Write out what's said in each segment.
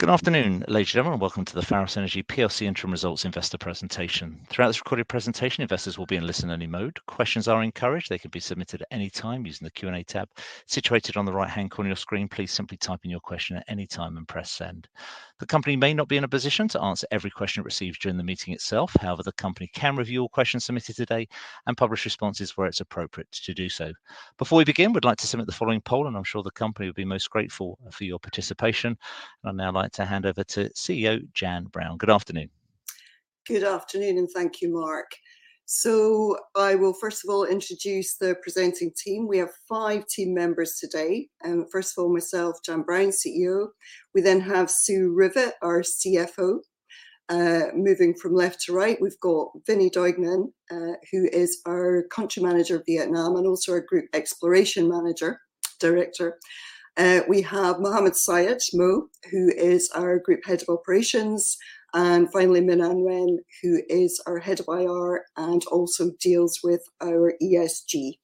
Good afternoon, ladies and gentlemen, welcome to the Pharos Energy plc Interim Results Investor Presentation. Throughout this recorded presentation, investors will be in listen-only mode. Questions are encouraged. They can be submitted at any time using the Q&A tab situated on the right-hand corner of your screen. Please simply type in your question at any time and press send. The company may not be in a position to answer every question it receives during the meeting itself. However, the company can review all questions submitted today and publish responses where it's appropriate to do so. Before we begin, we'd like to submit the following poll, and I'm sure the company will be most grateful for your participation. I'd now like to hand over to CEO Jann Brown. Good afternoon. Good afternoon, and thank you, Mark. I will first of all introduce the presenting team. We have five team members today, and first of all, myself, Jann Brown, CEO. We then have Sue Rivett, our CFO. Moving from left to right, we've got Vincent Duignan, who is our Country Manager of Vietnam and also our Group Exploration Manager, Director. We have Mohamed Sayed, Mo, who is our Group Head of Operations, and finally, Minh-Anh Nguyen, who is our Head of IR and also deals with our ESG.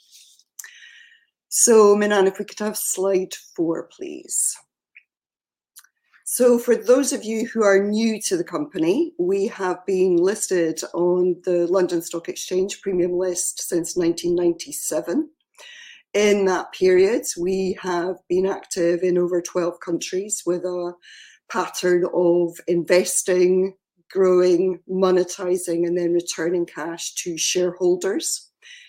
Minh-Anh, if we could have slide four, please. For those of you who are new to the company, we have been listed on the London Stock Exchange Premium List since 1997. In that period, we have been active in over 12 countries with a pattern of investing, growing, monetizing, and then returning cash to shareholders.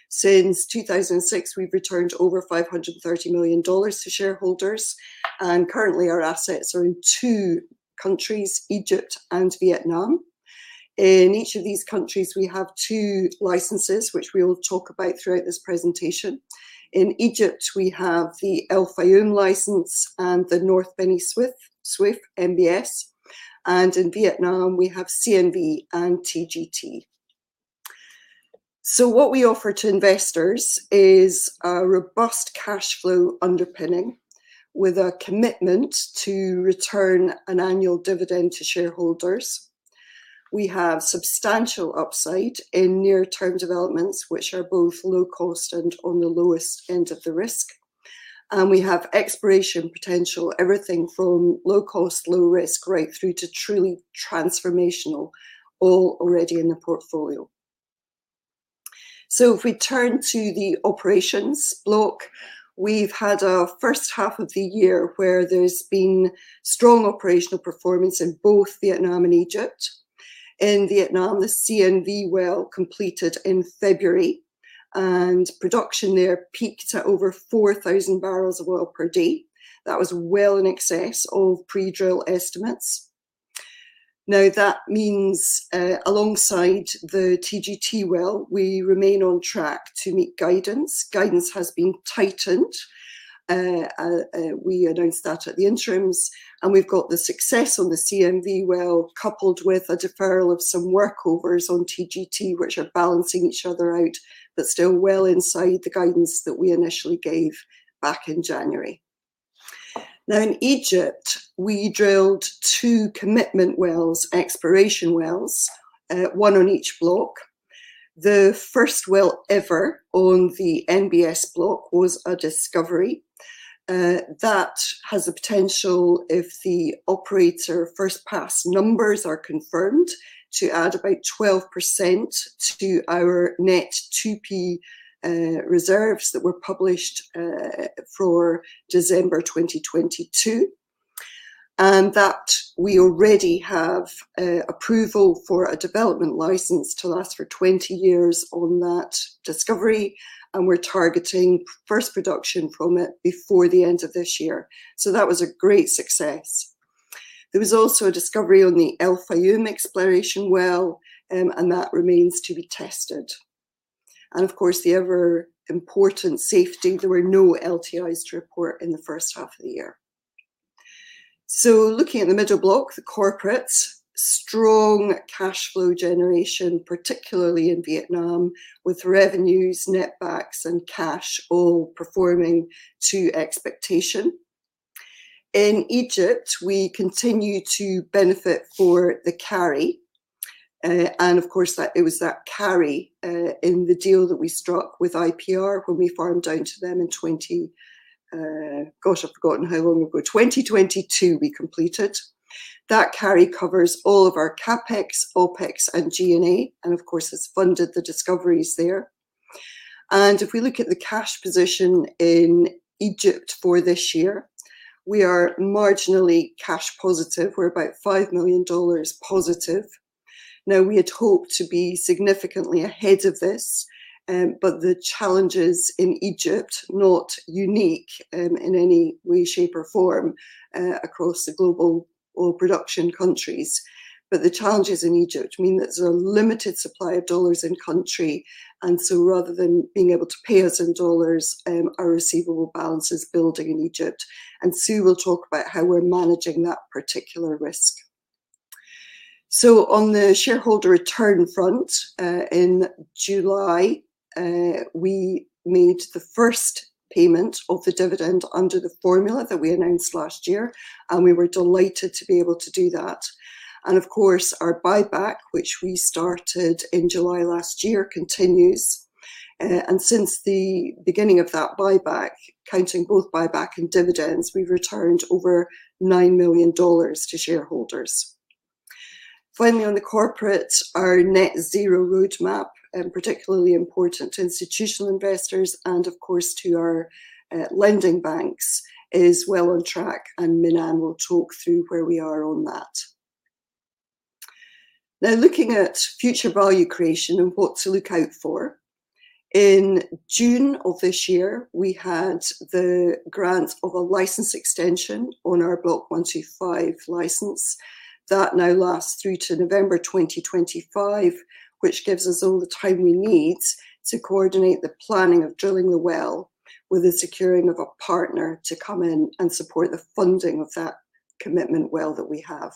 Since 2006, we've returned over $530 million to shareholders, and currently, our assets are in two countries, Egypt and Vietnam. In each of these countries, we have two licenses, which we will talk about throughout this presentation. In Egypt, we have the El Fayum license and the North Beni Suef, NBS, and in Vietnam, we have CNV and TGT. So what we offer to investors is a robust cash flow underpinning with a commitment to return an annual dividend to shareholders. We have substantial upside in near-term developments, which are both low cost and on the lowest end of the risk. And we have exploration potential, everything from low cost, low risk, right through to truly transformational, all already in the portfolio. So if we turn to the operations block, we've had a first half of the year where there's been strong operational performance in both Vietnam and Egypt. In Vietnam, the CNV well completed in February, and production there peaked at over 4,000 bbls of oil per day. That was well in excess of pre-drill estimates. Now, that means, alongside the TGT well, we remain on track to meet guidance. Guidance has been tightened. We announced that at the interims, and we've got the success on the CNV well, coupled with a deferral of some workovers on TGT, which are balancing each other out, but still well inside the guidance that we initially gave back in January. Now, in Egypt, we drilled two commitment wells, exploration wells, one on each block. The first well ever on the NBS block was a discovery. That has a potential, if the operator first-pass numbers are confirmed, to add about 12% to our net 2P reserves that were published for December 2022. And that we already have approval for a development license to last for 20 years on that discovery, and we're targeting first production from it before the end of this year. So that was a great success. There was also a discovery on the El Fayum exploration well, and that remains to be tested. And of course, the ever-important safety, there were no LTIs to report in the first half of the year. So looking at the middle block, the corporate, strong cash flow generation, particularly in Vietnam, with revenues, netbacks, and cash all performing to expectation. In Egypt, we continue to benefit for the carry, and of course, that, it was that carry in the deal that we struck with IPR when we farmed down to them. Gosh, I've forgotten how long ago. 2022, we completed. That carry covers all of our CapEx, OpEx, and G&A, and of course, has funded the discoveries there. And if we look at the cash position in Egypt for this year, we are marginally cash positive. We're about $5 million positive. Now, we had hoped to be significantly ahead of this, but the challenges in Egypt, not unique, in any way, shape, or form, across the global oil production countries. But the challenges in Egypt mean that there's a limited supply of dollars in country, and so rather than being able to pay us in dollars, our receivable balance is building in Egypt, and Sue will talk about how we're managing that particular risk. So on the shareholder return front, in July, we made the first payment of the dividend under the formula that we announced last year, and we were delighted to be able to do that. And of course, our buyback, which we started in July last year, continues. And since the beginning of that buyback, counting both buyback and dividends, we've returned over $9 million to shareholders. Finally, on the corporate, our Net Zero roadmap, and particularly important to institutional investors and, of course, to our lending banks, is well on track, and Minh-Anh will talk through where we are on that. Now, looking at future value creation and what to look out for. In June of this year, we had the grant of a license extension on our Block 125 license. That now lasts through to November 2025, which gives us all the time we need to coordinate the planning of drilling the well with the securing of a partner to come in and support the funding of that commitment well that we have.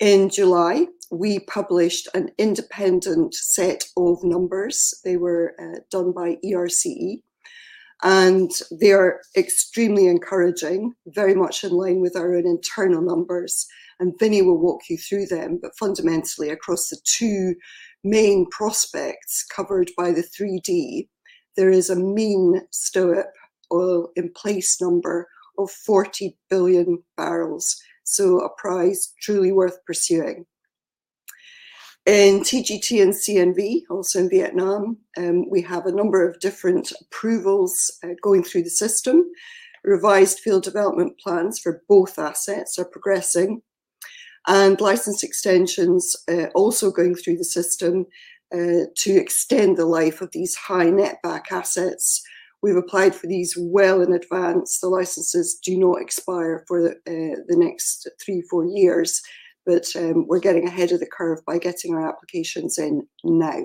In July, we published an independent set of numbers. They were done by ERCE, and they are extremely encouraging, very much in line with our own internal numbers, and Vinny will walk you through them. But fundamentally, across the two main prospects covered by the 3D, there is a mean STOIIP oil in place number of 40 billion bbls, so a prize truly worth pursuing. In TGT and CNV, also in Vietnam, we have a number of different approvals going through the system. Revised field development plans for both assets are progressing, and license extensions also going through the system to extend the life of these high netback assets. We've applied for these well in advance. The licenses do not expire for the next three to four years, but we're getting ahead of the curve by getting our applications in now.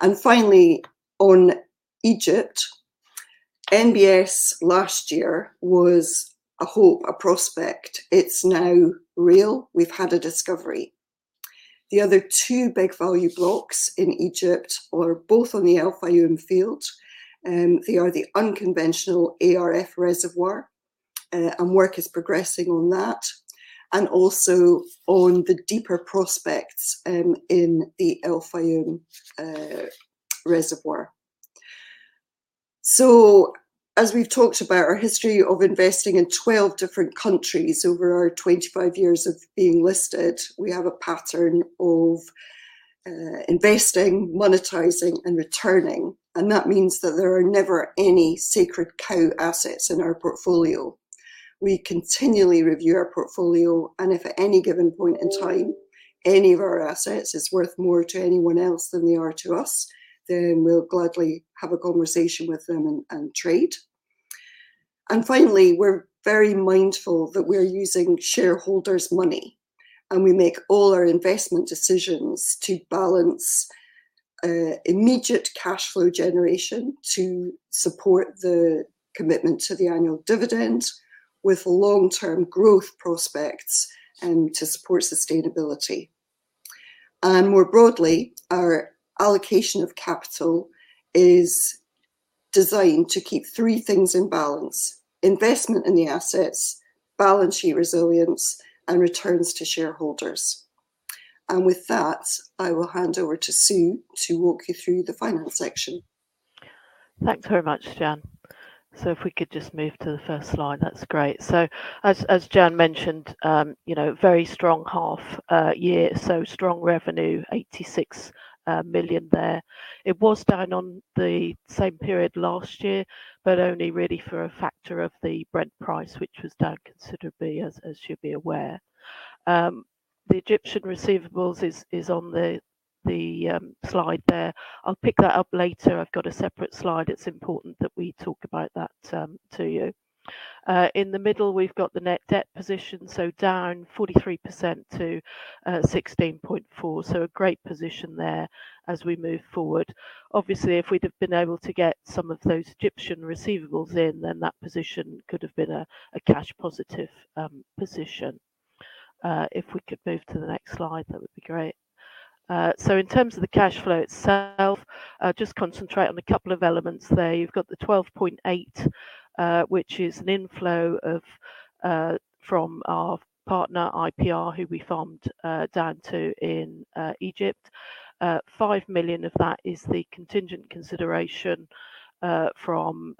And finally, on Egypt, NBS last year was a hope, a prospect. It's now real. We've had a discovery. The other two big value blocks in Egypt are both on the El Fayum field, they are the unconventional ARF reservoir, and work is progressing on that, and also on the deeper prospects, in the El Fayum, reservoir. So as we've talked about our history of investing in 12 different countries over our 25 years of being listed, we have a pattern of, investing, monetizing, and returning, and that means that there are never any sacred cow assets in our portfolio. We continually review our portfolio, and if at any given point in time, any of our assets is worth more to anyone else than they are to us, then we'll gladly have a conversation with them and, and trade. And finally, we're very mindful that we're using shareholders' money, and we make all our investment decisions to balance immediate cash flow generation to support the commitment to the annual dividend with long-term growth prospects to support sustainability. And more broadly, our allocation of capital is designed to keep three things in balance: investment in the assets, balance sheet resilience, and returns to shareholders. And with that, I will hand over to Sue to walk you through the finance section. Thanks very much, Jann. So if we could just move to the first slide. That's great. So as Jann mentioned, you know, very strong half year. So strong revenue, $86 million there. It was down on the same period last year, but only really for a factor of the Brent price, which was down considerably, as you'd be aware. The Egyptian receivables is on the slide there. I'll pick that up later. I've got a separate slide. It's important that we talk about that to you. In the middle, we've got the net debt position, so down 43% to 16.4%. So a great position there as we move forward. Obviously, if we'd have been able to get some of those Egyptian receivables in, then that position could have been a cash positive position. If we could move to the next slide, that would be great. So in terms of the cash flow itself, just concentrate on a couple of elements there. You've got the $12.8 million, which is an inflow from our partner, IPR, who we farmed down to in Egypt. $5 million of that is the contingent consideration from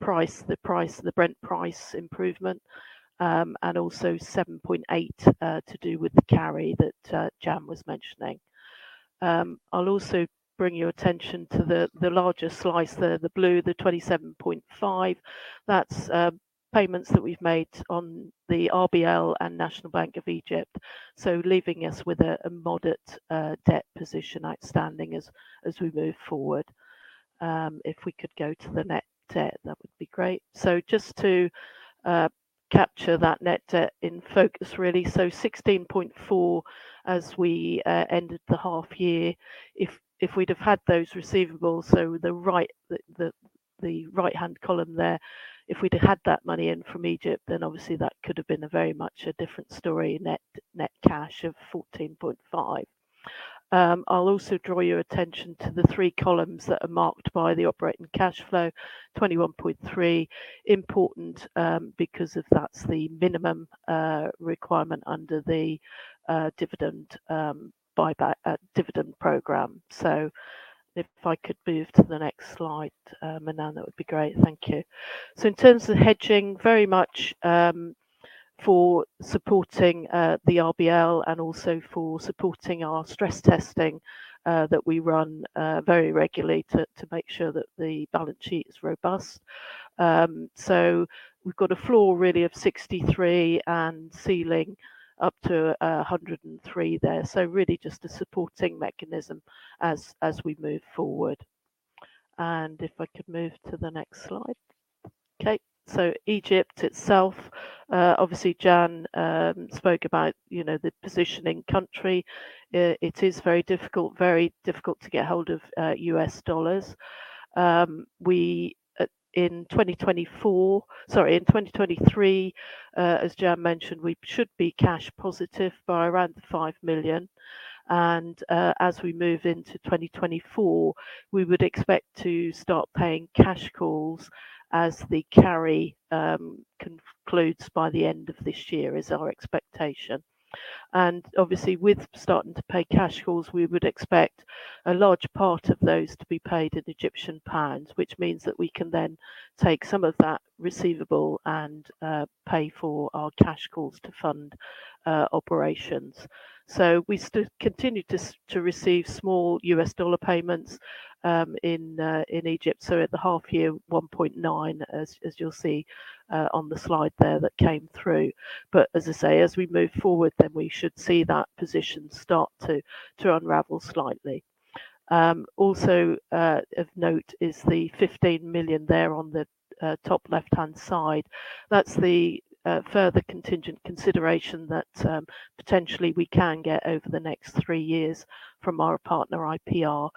price, the price, the Brent price improvement, and also $7.8 million to do with the carry that Jann was mentioning. I'll also bring your attention to the larger slice there, the blue, the $27.5 million. That's payments that we've made on the RBL and National Bank of Egypt. So leaving us with a moderate debt position outstanding as we move forward. If we could go to the net debt, that would be great. So just to capture that net debt in focus, really. So $16.4, as we ended the half year. If we'd have had those receivables, so the right-hand column there, if we'd have had that money in from Egypt, then obviously that could have been a very much a different story, net cash of $14.5. I'll also draw your attention to the three columns that are marked by the operating cash flow, $21.3. Important, because that's the minimum requirement under the dividend buyback dividend program. If I could move to the next slide, Minh-Anh, that would be great. Thank you. So in terms of hedging, very much, for supporting the RBL and also for supporting our stress testing that we run very regularly to make sure that the balance sheet is robust. So we've got a floor really of $63 and ceiling up to $103 there. So really just a supporting mechanism as we move forward. And if I could move to the next slide. Okay. So Egypt itself, obviously, Jann spoke about, you know, the position in country. It is very difficult, very difficult to get hold of U.S. dollars. We, in 2023, as Jann mentioned, we should be cash positive by around $5 million, and, as we move into 2024, we would expect to start paying cash calls as the carry concludes by the end of this year, is our expectation. And obviously, with starting to pay cash calls, we would expect a large part of those to be paid in Egyptian pounds, which means that we can then take some of that receivable and pay for our cash calls to fund operations. So we still continue to receive small U.S. dollar payments in Egypt. So at the half year, $1.9, as you'll see on the slide there, that came through. But as I say, as we move forward, then we should see that position start to unravel slightly. Also, of note is the $15 million there on the top left-hand side. That's the further contingent consideration that potentially we can get over the next three years from our partner IPR,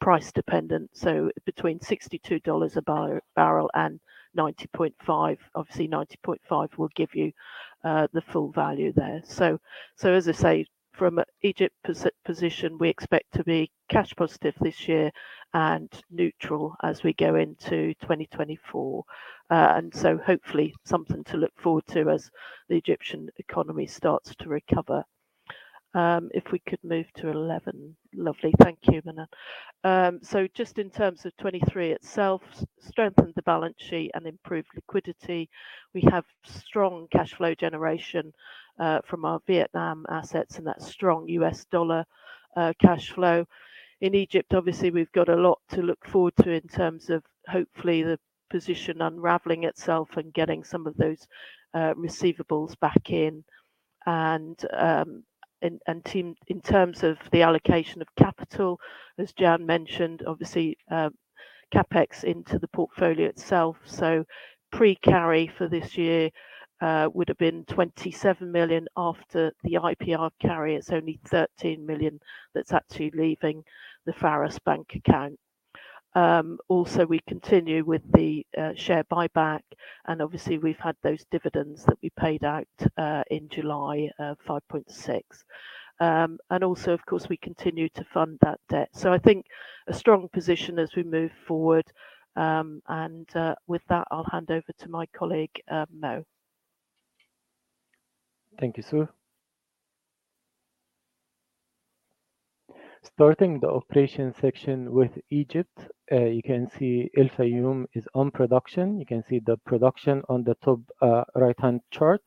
price dependent. So between $62 a barrel and $90.5. Obviously, $90.5 will give you the full value there. So as I say, from an Egyptian position, we expect to be cash positive this year and neutral as we go into 2024. And so hopefully something to look forward to as the Egyptian economy starts to recover. If we could move to 11. Lovely. Thank you, Min-Anh. So just in terms of 2023 itself, strengthened the balance sheet and improved liquidity. We have strong cash flow generation from our Vietnam assets and that strong U.S. dollar cash flow. In Egypt, obviously, we've got a lot to look forward to in terms of hopefully the position unraveling itself and getting some of those receivables back in. And team, in terms of the allocation of capital, as Jann mentioned, obviously, CapEx into the portfolio itself. So pre-carry for this year would have been $27 million. After the IPR carry, it's only $13 million that's actually leaving the Pharos bank account. Also, we continue with the share buyback, and obviously, we've had those dividends that we paid out in July, $5.6 million. And also, of course, we continue to fund that debt. So I think a strong position as we move forward. And with that, I'll hand over to my colleague, Mo. Thank you, Sue. Starting the operation section with Egypt, you can see El Fayum is on production. You can see the production on the top, right-hand chart.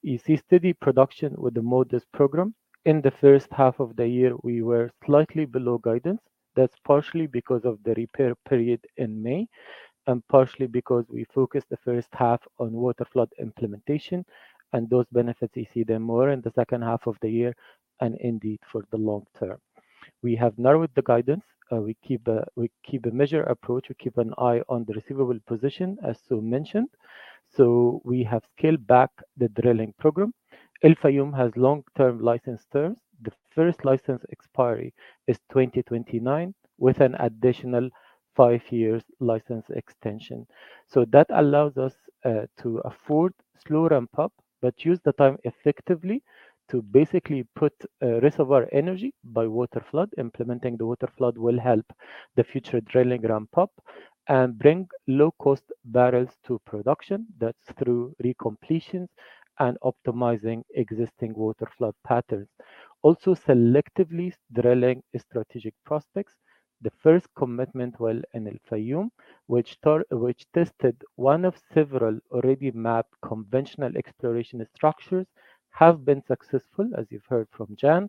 You see steady production with the modest program. In the first half of the year, we were slightly below guidance. That's partially because of the repair period in May, and partially because we focused the first half on waterflood implementation, and those benefits, you see them more in the second half of the year, and indeed for the long term. We have narrowed the guidance. We keep a measured approach. We keep an eye on the receivable position, as Sue mentioned. So we have scaled back the drilling program. El Fayum has long-term license terms. The first license expiry is 2029, with an additional five years license extension. So that allows us to afford slow ramp-up, but use the time effectively to basically put reservoir energy by waterflood. Implementing the waterflood will help the future drilling ramp-up, and bring low-cost barrels to production. That's through recompletions and optimizing existing waterflood patterns. Also, selectively drilling strategic prospects. The first commitment well in El Fayum, which tested one of several already mapped conventional exploration structures, have been successful, as you've heard from Jann,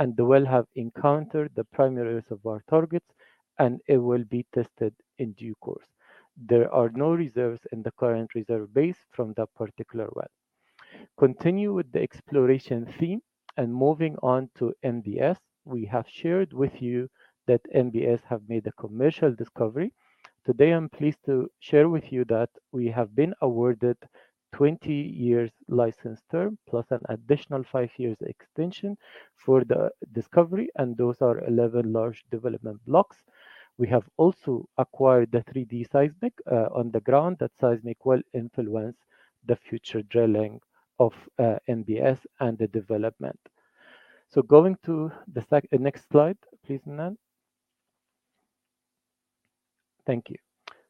and the well have encountered the primary reservoir targets, and it will be tested in due course. There are no reserves in the current reserve base from that particular well. Continue with the exploration theme, and moving on to NBS, we have shared with you that NBS have made a commercial discovery. Today, I'm pleased to share with you that we have been awarded 20 years license term, plus an additional 5 years extension for the discovery, and those are 11 large development blocks. We have also acquired the 3D seismic on the ground. That seismic will influence the future drilling of NBS and the development. So going to the next slide, please, Min. Thank you.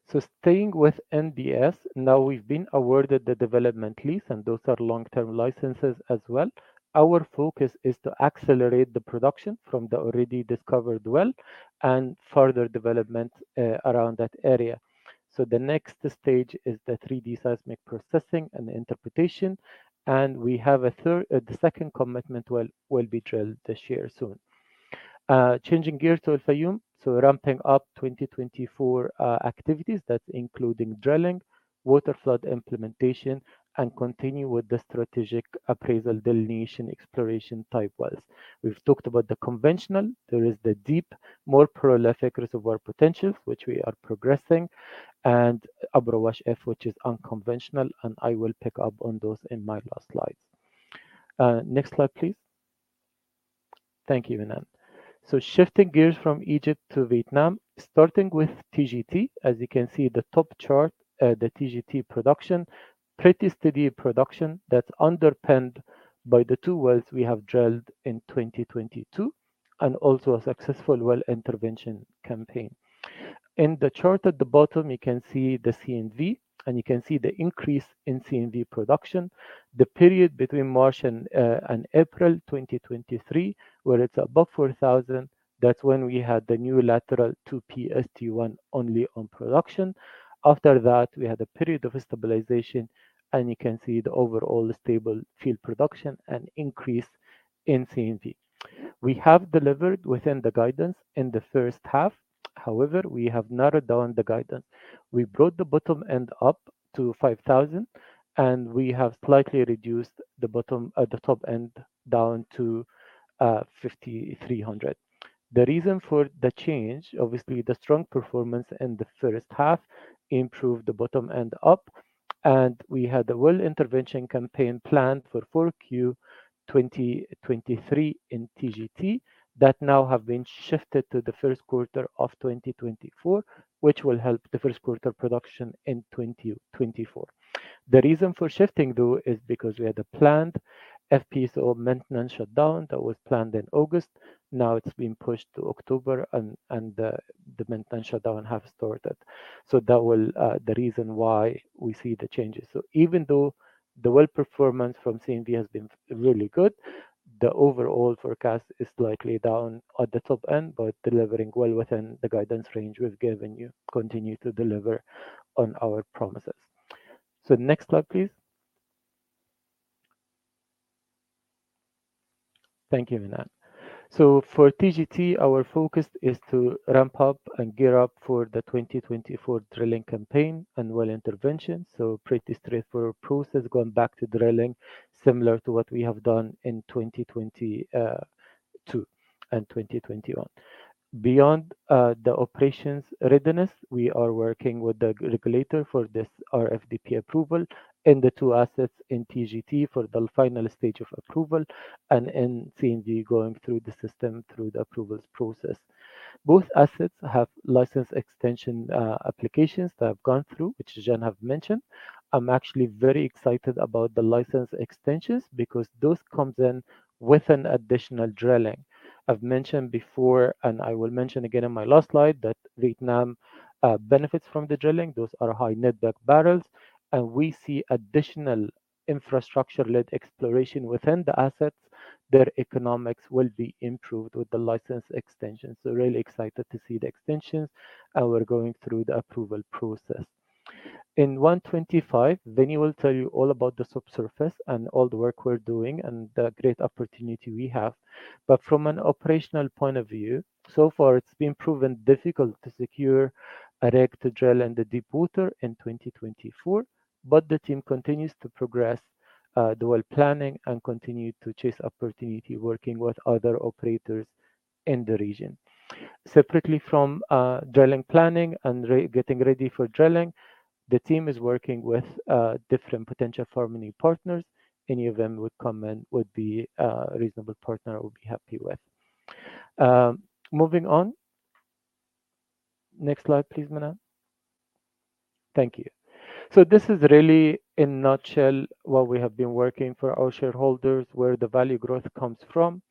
So staying with NBS, now we've been awarded the development lease, and those are long-term licenses as well. Our focus is to accelerate the production from the already discovered well and further development around that area. So the next stage is the 3D seismic processing and interpretation, and the second commitment will be drilled this year soon. Changing gears to El Fayum. So ramping up 2024 activities, that's including drilling, waterflood implementation, and continue with the strategic appraisal delineation exploration type wells. We've talked about the conventional. There is the deep, more prolific reservoir potentials, which we are progressing, and Abu Roash F, which is unconventional, and I will pick up on those in my last slides. Next slide, please. Thank you, Manan. So shifting gears from Egypt to Vietnam, starting with TGT. As you can see, the top chart, the TGT production, pretty steady production that's underpinned by the two wells we have drilled in 2022, and also a successful well intervention campaign. In the chart at the bottom, you can see the CNV, and you can see the increase in CNV production. The period between March and April 2023, where it's above 4,000, that's when we had the new lateral 2PST1 only on production. After that, we had a period of stabilization, and you can see the overall stable field production and increase in CNV. We have delivered within the guidance in the first half. However, we have narrowed down the guidance. We brought the bottom end up to 5,000, and we have slightly reduced the bottom, the top end down to 5,300. The reason for the change, obviously, the strong performance in the first half improved the bottom end up, and we had a well intervention campaign planned for 4Q 2023 in TGT, that now have been shifted to the first quarter of 2024, which will help the first quarter production in 2024. The reason for shifting, though, is because we had a planned FPSO maintenance shutdown that was planned in August. Now it's been pushed to October, and, and, the maintenance shutdown have started. So that will, the reason why we see the changes. So even though the well performance from CNV has been really good, the overall forecast is slightly down at the top end, but delivering well within the guidance range we've given you, continue to deliver on our promises. So next slide, please. Thank you, Manan. So for TGT, our focus is to ramp up and gear up for the 2024 drilling campaign and well intervention. So pretty straightforward process, going back to drilling, similar to what we have done in 2022 and 2021. Beyond the operations readiness, we are working with the regulator for this RFDP approval and the two assets in TGT for the final stage of approval and in CNV, going through the system, through the approvals process. Both assets have license extension applications that have gone through, which Jann have mentioned. I'm actually very excited about the license extensions because those comes in with an additional drilling. I've mentioned before, and I will mention again in my last slide, that Vietnam benefits from the drilling. Those are high netback barrels, and we see additional infrastructure-led exploration within the assets. Their economics will be improved with the license extension. So really excited to see the extensions, and we're going through the approval process. In 125, Vinny will tell you all about the subsurface and all the work we're doing and the great opportunity we have. But from an operational point of view, so far it's been proven difficult to secure a rig to drill in the deep water in 2024, but the team continues to progress the well planning and continue to chase opportunity working with other operators in the region. Separately from drilling, planning, and getting ready for drilling, the team is working with different potential farm-in partners. Any of them would come in, would be a reasonable partner, we'll be happy with. Moving on. Next slide, please, Manan. Thank you. So this is really, in a nutshell, what we have been working for our shareholders, where the value growth comes from.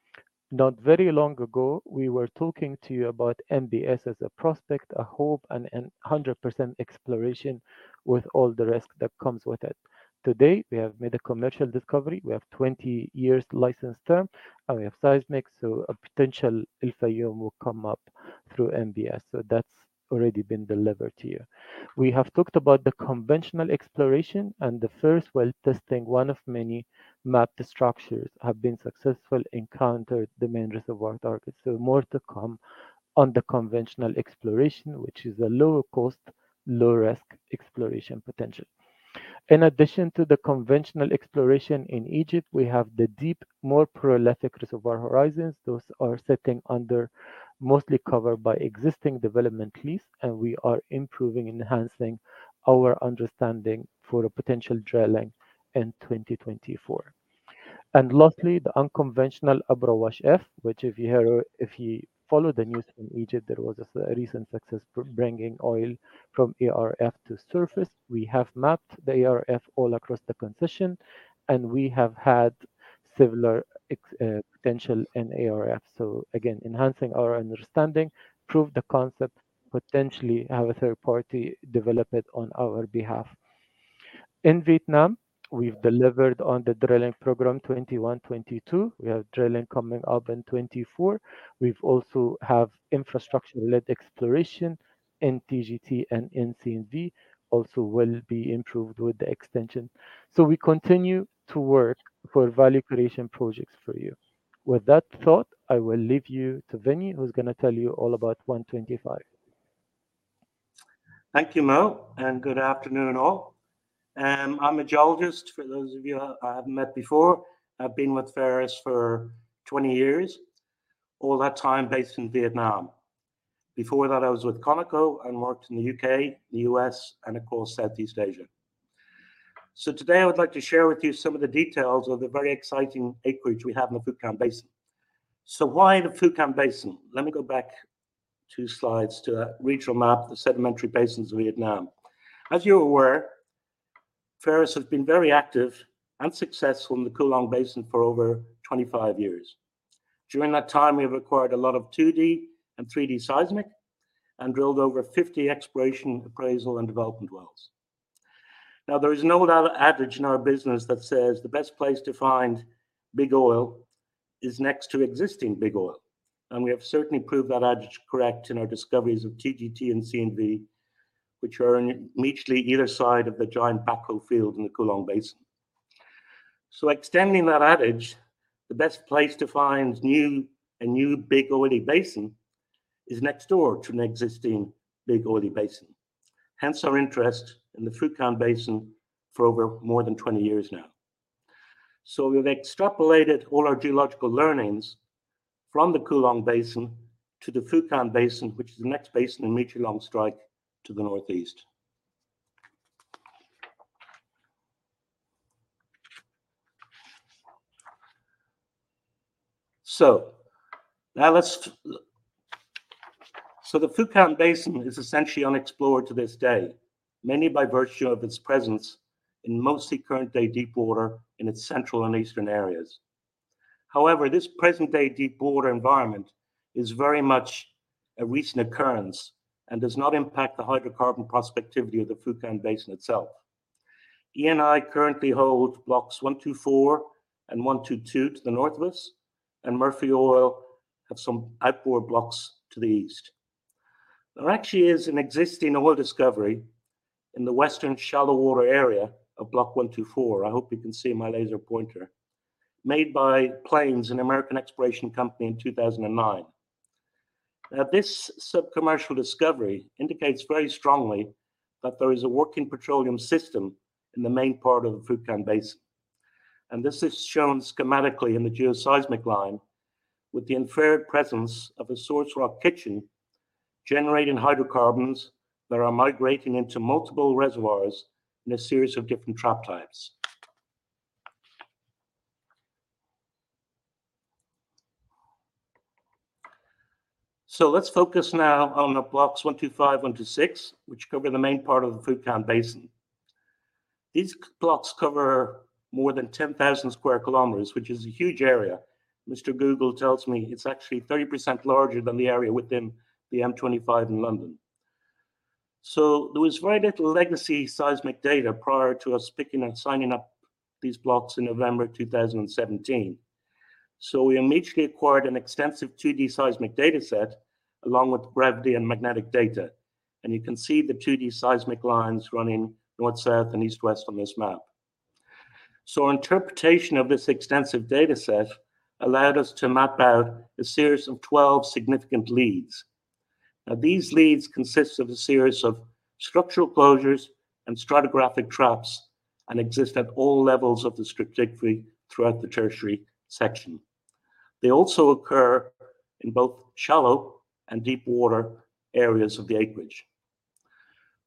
Not very long ago, we were talking to you about NBS as a prospect, a hope, and a 100% exploration with all the risk that comes with it. Today, we have made a commercial discovery. We have 20 years license term, and we have seismic, so a potential El Fayum will come up through NBS. So that's already been delivered to you. We have talked about the conventional exploration and the first well testing, one of many mapped structures, have been successful, encountered the main reservoir target. So more to come on the conventional exploration, which is a lower cost, low-risk exploration potential. In addition to the conventional exploration in Egypt, we have the deep, more prolific reservoir horizons. Those are sitting under, mostly covered by existing development lease, and we are improving, enhancing our understanding for a potential drilling in 2024. And lastly, the unconventional Abu Roash F, which if you hear--if you follow the news in Egypt, there was a recent success for bringing oil from ARF to surface. We have mapped the ARF all across the concession, and we have had similar potential in ARF. So again, enhancing our understanding, prove the concept, potentially have a third party develop it on our behalf. In Vietnam, we've delivered on the drilling program 2021, 2022. We have drilling coming up in 2024. We've also have infrastructure-led exploration in TGT and in CNV, also will be improved with the extension. So we continue to work for value creation projects for you. With that thought, I will leave you to Vinny, who's going to tell you all about 125. Thank you, Mo, and good afternoon, all. I'm a geologist, for those of you I haven't met before. I've been with Pharos for 20 years, all that time based in Vietnam. Before that, I was with Conoco and worked in the U.K., the U.S., and of course, Southeast Asia. So today I would like to share with you some of the details of the very exciting acreage we have in the Phu Khanh Basin. So why the Phu Khanh Basin? Let me go back two slides to a regional map of the sedimentary basins of Vietnam. As you are aware, Pharos has been very active and successful in the Cuu Long Basin for over 25 years. During that time, we have acquired a lot of 2D and 3D seismic and drilled over 50 exploration, appraisal, and development wells. Now, there is an old adage in our business that says, "The best place to find big oil is next to existing big oil," and we have certainly proved that adage correct in our discoveries of TGT and CNV, which are immediately on either side of the giant Bach Ho field in the Cuu Long Basin. So extending that adage, the best place to find new big oily basin is next door to an existing big oily basin, hence our interest in the Phu Khanh Basin for over more than 20 years now. So we've extrapolated all our geological learnings from the Cuu Long Basin to the Phu Khanh Basin, which is the next basin immediately along strike to the northeast. So the Phu Khanh Basin is essentially unexplored to this day, mainly by virtue of its presence in mostly current-day deep water in its central and eastern areas. However, this present-day deep water environment is very much a recent occurrence and does not impact the hydrocarbon prospectivity of the Phu Khanh Basin itself. Eni currently hold Blocks 124 and 122 to the north of us, and Murphy Oil have some outboard blocks to the east. There actually is an existing oil discovery in the western shallow water area of Block 124, I hope you can see my laser pointer, made by Plains, an American exploration company, in 2009. Now, this sub-commercial discovery indicates very strongly that there is a working petroleum system in the main part of the Phu Khanh Basin. This is shown schematically in the geoseismic line with the inferred presence of a source rock kitchen generating hydrocarbons that are migrating into multiple reservoirs in a series of different trap types. Let's focus now on the Blocks 125, 126, which cover the main part of the Phu Khanh Basin. These blocks cover more than 10,000 square kilometers, which is a huge area. Mr. Google tells me it's actually 30% larger than the area within the M25 in London. There was very little legacy seismic data prior to us picking and signing up these blocks in November 2017. We immediately acquired an extensive 2D seismic data set, along with gravity and magnetic data, and you can see the 2D seismic lines running north-south and east-west on this map. So interpretation of this extensive data set allowed us to map out a series of 12 significant leads. Now, these leads consist of a series of structural closures and stratigraphic traps, and exist at all levels of the stratigraphy throughout the tertiary section. They also occur in both shallow and deep water areas of the acreage.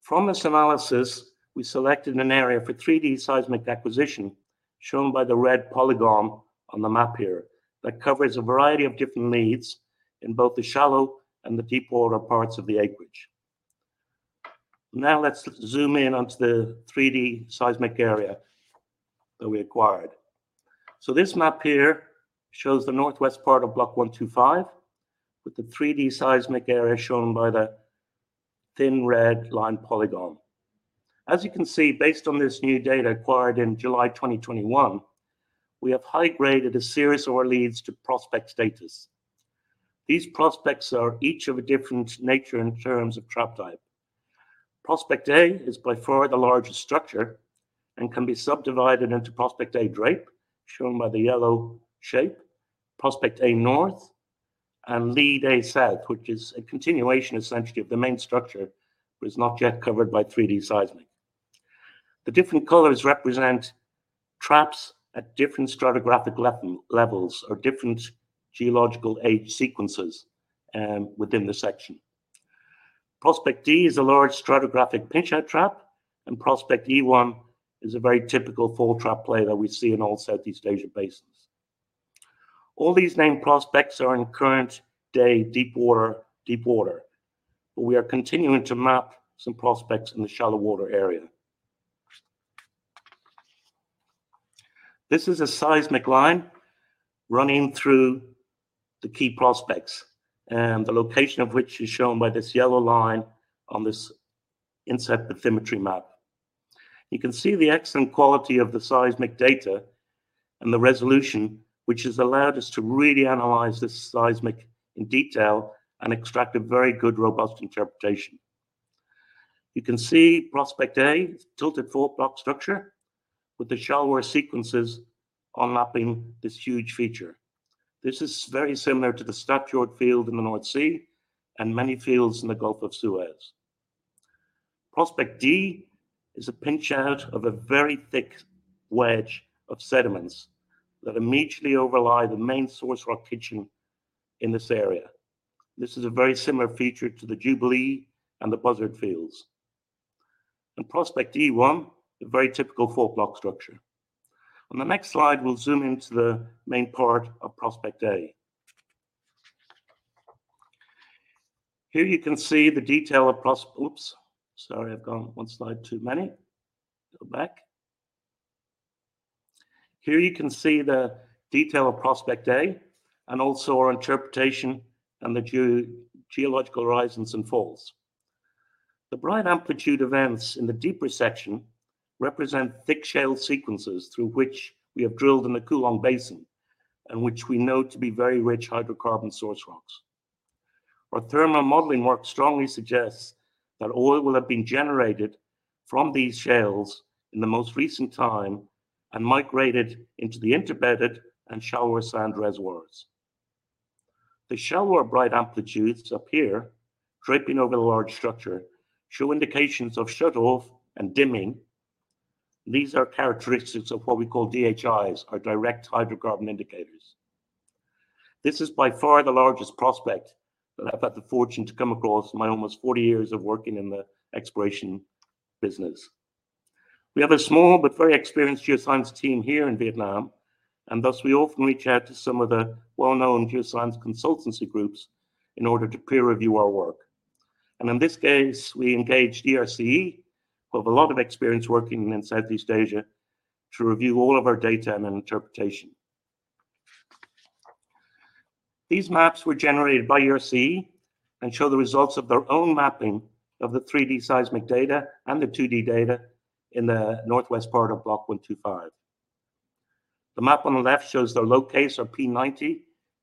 From this analysis, we selected an area for 3D seismic acquisition, shown by the red polygon on the map here, that covers a variety of different leads in both the shallow and the deep water parts of the acreage. Now, let's zoom in onto the 3D seismic area that we acquired. So this map here shows the northwest part of Block 125, with the 3D seismic area shown by the thin red line polygon. As you can see, based on this new data acquired in July 2021, we have high-graded a series of our leads to prospect status. These prospects are each of a different nature in terms of trap type. Prospect A is by far the largest structure and can be subdivided into Prospect A drape, shown by the yellow shape, Prospect A North, and Lead A South, which is a continuation, essentially, of the main structure, but is not yet covered by 3D seismic. The different colors represent traps at different stratigraphic level, levels or different geological age sequences, within the section. Prospect D is a large stratigraphic pinch-out trap, and Prospect E1 is a very typical four-trap play that we see in all Southeast Asia basins. All these named prospects are in current day deep water, deep water, but we are continuing to map some prospects in the shallow water area. This is a seismic line running through the key prospects, and the location of which is shown by this yellow line on this inset bathymetry map. You can see the excellent quality of the seismic data and the resolution, which has allowed us to really analyze this seismic in detail and extract a very good, robust interpretation. You can see Prospect A, tilted fault block structure, with the shallower sequences overlapping this huge feature. This is very similar to the Statfjord field in the North Sea and many fields in the Gulf of Suez. Prospect D is a pinch out of a very thick wedge of sediments that immediately overlie the main source rock kitchen in this area. This is a very similar feature to the Jubilee and the Buzzard fields. Prospect E1, a very typical fault block structure. On the next slide, we'll zoom into the main part of Prospect A. Here you can see the detail of—Oops, sorry, I've gone one slide too many. Go back. Here you can see the detail of Prospect A and also our interpretation and the geological rises and falls. The bright amplitude events in the deeper section represent thick shale sequences through which we have drilled in the Cuu Long Basin and which we know to be very rich hydrocarbon source rocks. Our thermal modeling work strongly suggests that oil will have been generated from these shales in the most recent time and migrated into the interbedded and shallower sand reservoirs. The shallower bright amplitudes up here, draping over the large structure, show indications of shut off and dimming. These are characteristics of what we call DHIs, or direct hydrocarbon indicators. This is by far the largest prospect that I've had the fortune to come across in my almost 40 years of working in the exploration business. We have a small but very experienced geoscience team here in Vietnam, and thus, we often reach out to some of the well-known geoscience consultancy groups in order to peer review our work. And in this case, we engaged ERCE, who have a lot of experience working in Southeast Asia, to review all of our data and interpretation. These maps were generated by ERCE and show the results of their own mapping of the 3D seismic data and the 2D data in the northwest part of Block 125. The map on the left shows the low case or P90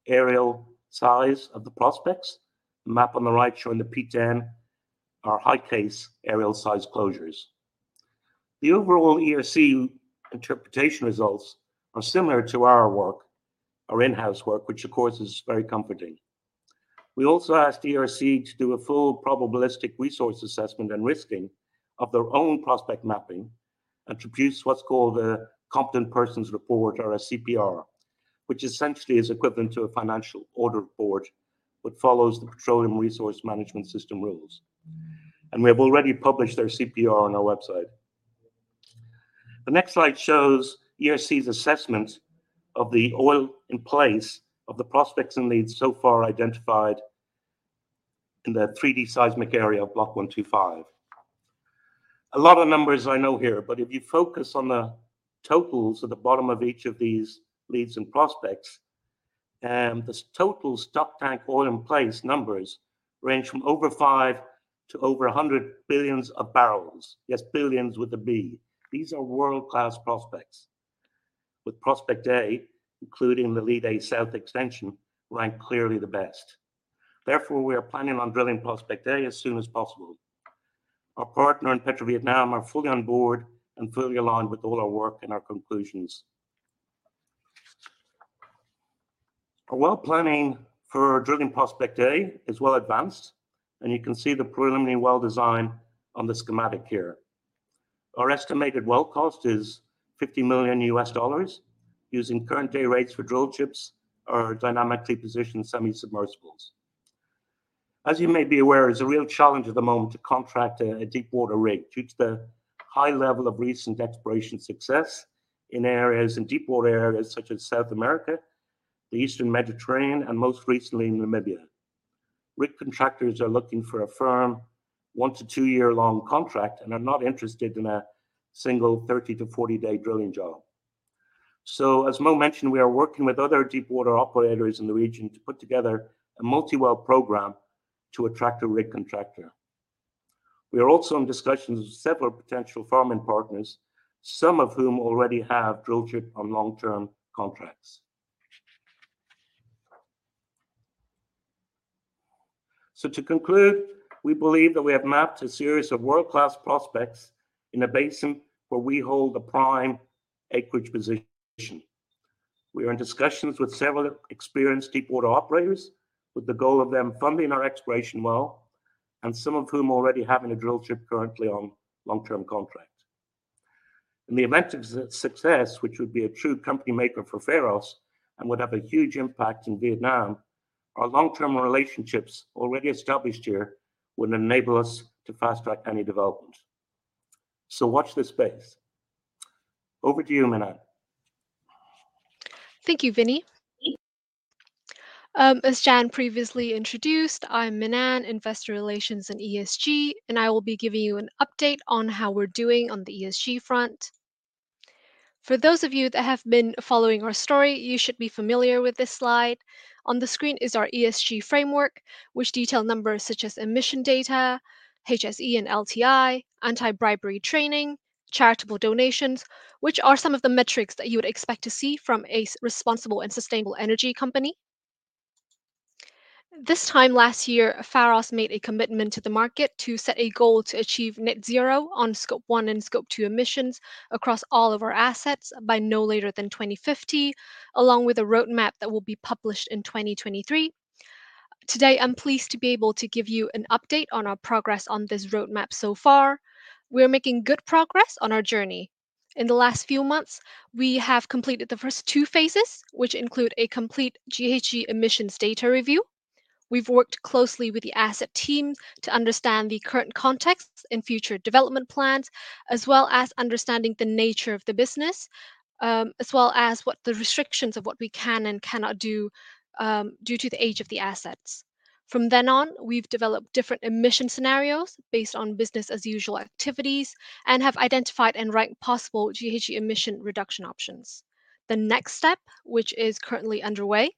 areal size of the prospects. The map on the right showing the P10 or high case areal size closures. The overall ERCE interpretation results are similar to our work, our in-house work, which of course, is very comforting. We also asked ERCE to do a full probabilistic resource assessment and risking of their own prospect mapping and produce what's called a Competent Persons Report or a CPR, which essentially is equivalent to a financial audit report but follows the Petroleum Resources Management System rules. We have already published their CPR on our website. The next slide shows ERCE's assessment of the oil in place of the prospects and leads so far identified in the 3D seismic area of Block 125. A lot of numbers I know here, but if you focus on the totals at the bottom of each of these leads and prospects, the total stock tank oil in place numbers range from over 5 billion to over 100 billion bbls. Yes, billions with a B. These are world-class prospects, with Prospect A, including the Lead A South extension, ranked clearly the best. Therefore, we are planning on drilling Prospect A as soon as possible. Our partner in PetroVietnam are fully on board and fully aligned with all our work and our conclusions. Our well planning for drilling Prospect A is well advanced, and you can see the preliminary well design on the schematic here. Our estimated well cost is $50 million using current day rates for drill ships or dynamically positioned semi-submersibles. As you may be aware, it's a real challenge at the moment to contract a deep water rig due to the high level of recent exploration success in areas, in deep water areas such as South America, the Eastern Mediterranean, and most recently in Namibia. Rig contractors are looking for a firm one to year-long contract and are not interested in a single 30-40-day drilling job. So as Mo mentioned, we are working with other deep water operators in the region to put together a multi-well program to attract a rig contractor. We are also in discussions with several potential farming partners, some of whom already have drillship on long-term contracts. So to conclude, we believe that we have mapped a series of world-class prospects in a basin where we hold a prime acreage position. We are in discussions with several experienced deep water operators with the goal of them funding our exploration well, and some of whom already having a drillship currently on long-term contract. In the event of success, which would be a true company maker for Pharos and would have a huge impact in Vietnam, our long-term relationships already established here would enable us to fast-track any development, so watch this space. Over to you, Minh-Anh. Thank you, Vinny. As Jann previously introduced, I'm Minh-Anh, Investor Relations and ESG, and I will be giving you an update on how we're doing on the ESG front. For those of you that have been following our story, you should be familiar with this slide. On the screen is our ESG framework, which detail numbers such as emission data, HSE and LTI, anti-bribery training, charitable donations, which are some of the metrics that you would expect to see from a responsible and sustainable energy company. This time last year, Pharos made a commitment to the market to set a goal to achieve Net Zero on Scope 1 and Scope 2 emissions across all of our assets by no later than 2050, along with a roadmap that will be published in 2023. Today, I'm pleased to be able to give you an update on our progress on this roadmap so far. We are making good progress on our journey. In the last few months, we have completed the first two phases, which include a complete GHG emissions data review. We've worked closely with the asset team to understand the current context and future development plans, as well as understanding the nature of the business, as well as what the restrictions of what we can and cannot do, due to the age of the assets. From then on, we've developed different emission scenarios based on business-as-usual activities and have identified and ranked possible GHG emission reduction options. The next step, which is currently underway,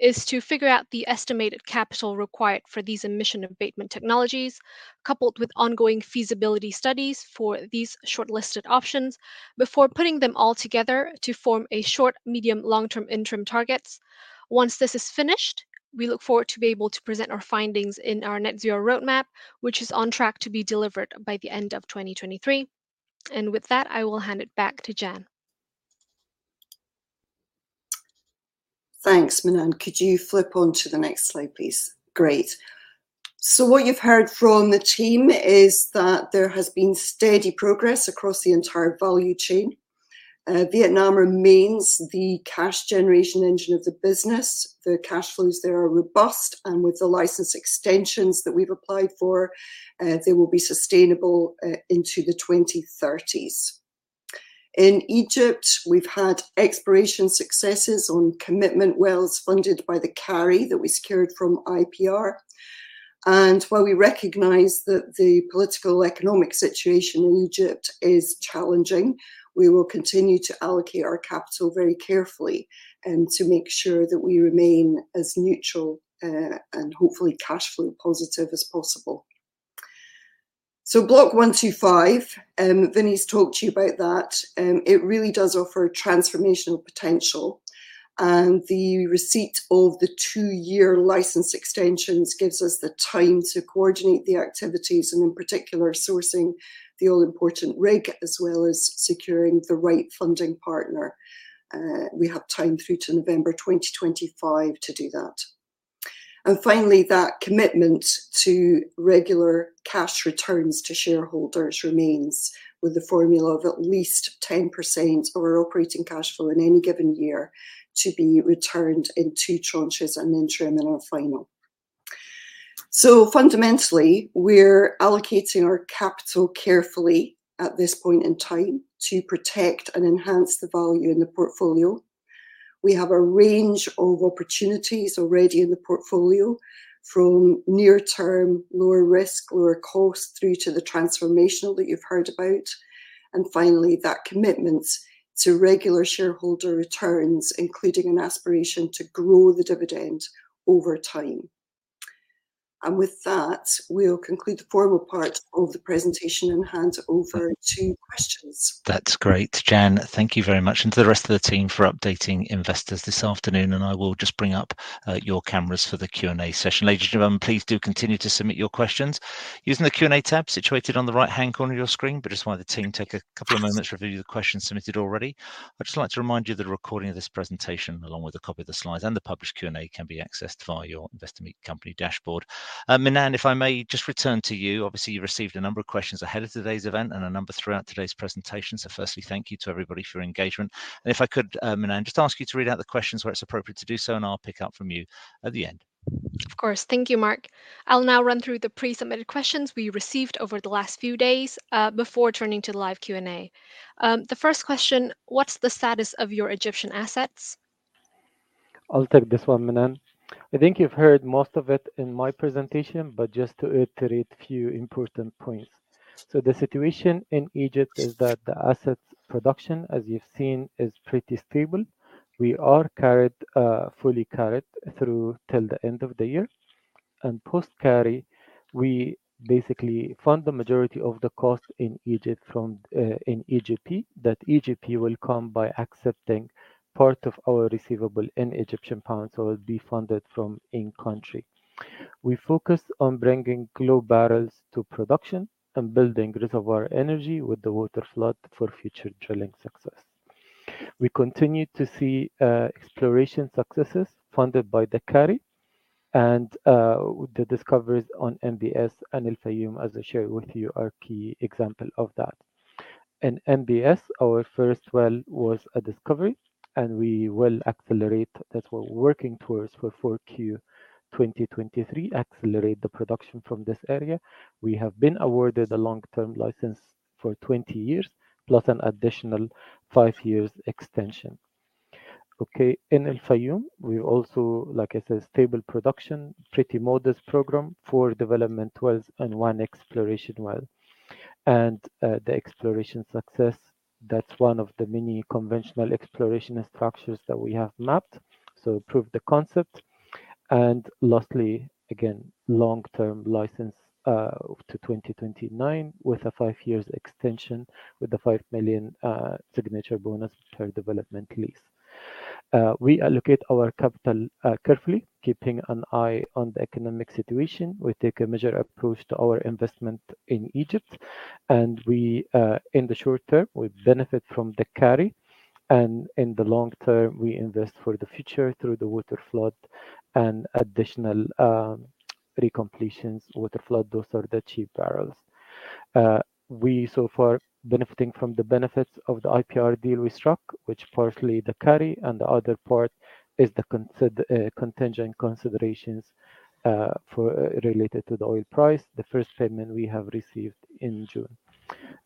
is to figure out the estimated capital required for these emission abatement technologies, coupled with ongoing feasibility studies for these shortlisted options before putting them all together to form a short, medium, long-term interim targets. Once this is finished, we look forward to be able to present our findings in our net zero roadmap, which is on track to be delivered by the end of 2023. With that, I will hand it back to Jann. Thanks, Minh-Anh. Could you flip on to the next slide, please? Great. So what you've heard from the team is that there has been steady progress across the entire value chain. Vietnam remains the cash generation engine of the business. The cash flows there are robust, and with the license extensions that we've applied for, they will be sustainable into the 2030s. In Egypt, we've had exploration successes on commitment wells funded by the carry that we secured from IPR. And while we recognize that the political, economic situation in Egypt is challenging, we will continue to allocate our capital very carefully and to make sure that we remain as neutral and hopefully, cash flow positive as possible. So Block 125, Vinny's talked to you about that, it really does offer transformational potential, and the receipt of the two-year license extensions gives us the time to coordinate the activities, and in particular, sourcing the all-important rig, as well as securing the right funding partner. We have time through to November 2025 to do that. And finally, that commitment to regular cash returns to shareholders remains, with the formula of at least 10% over operating cash flow in any given year to be returned in two tranches, an interim and a final. So fundamentally, we're allocating our capital carefully at this point in time to protect and enhance the value in the portfolio. We have a range of opportunities already in the portfolio, from near-term, lower risk, lower cost, through to the transformational that you've heard about. Finally, that commitment to regular shareholder returns, including an aspiration to grow the dividend over time. With that, we'll conclude the formal part of the presentation and hand over to questions. That's great. Jann, thank you very much, and to the rest of the team for updating investors this afternoon, and I will just bring up your cameras for the Q&A session. Ladies and gentlemen, please do continue to submit your questions using the Q&A tab situated on the right-hand corner of your screen. But just while the team take a couple of moments to review the questions submitted already, I'd just like to remind you that a recording of this presentation, along with a copy of the slides and the published Q&A, can be accessed via your Investor Meet Company dashboard. Minh-Anh, if I may just return to you. Obviously, you received a number of questions ahead of today's event and a number throughout today's presentation. So firstly, thank you to everybody for your engagement. If I could, Minh-Anh, just ask you to read out the questions where it's appropriate to do so, and I'll pick up from you at the end. Of course. Thank you, Mark. I'll now run through the pre-submitted questions we received over the last few days before turning to the live Q&A. The first question: What's the status of your Egyptian assets? I'll take this one, Minh-Anh. I think you've heard most of it in my presentation, but just to iterate a few important points. So the situation in Egypt is that the asset production, as you've seen, is pretty stable. We are carried, fully carried through till the end of the year. And post-carry, we basically fund the majority of the cost in Egypt from, in EGP. That EGP will come by accepting part of our receivable in Egyptian pounds, so it will be funded from in-country. We focus on bringing low barrels to production and building reservoir energy with the water flood for future drilling success. We continue to see, exploration successes funded by the carry and, the discoveries on NBS and El Fayum, as I shared with you, are a key example of that.... In NBS, our first well was a discovery, and we will accelerate, that's what we're working towards for Q4 2023, accelerate the production from this area. We have been awarded a long-term license for 20 years, plus an additional five-year extension. Okay, in El Fayum, we also, like I said, stable production, pretty modest program, four development wells and 1 exploration well. And the exploration success, that's one of the many conventional exploration structures that we have mapped, so prove the concept. And lastly, again, long-term license up to 2029, with a five-year extension, with a $5 million signature bonus per development lease. We allocate our capital carefully, keeping an eye on the economic situation. We take a measured approach to our investment in Egypt, and we, in the short term, we benefit from the carry, and in the long term, we invest for the future through the waterflood and additional, recompletions. Waterflood, those are the cheap barrels. We so far benefiting from the benefits of the IPR deal we struck, which firstly, the carry, and the other part is the contingent considerations, for, related to the oil price. The first payment we have received in June.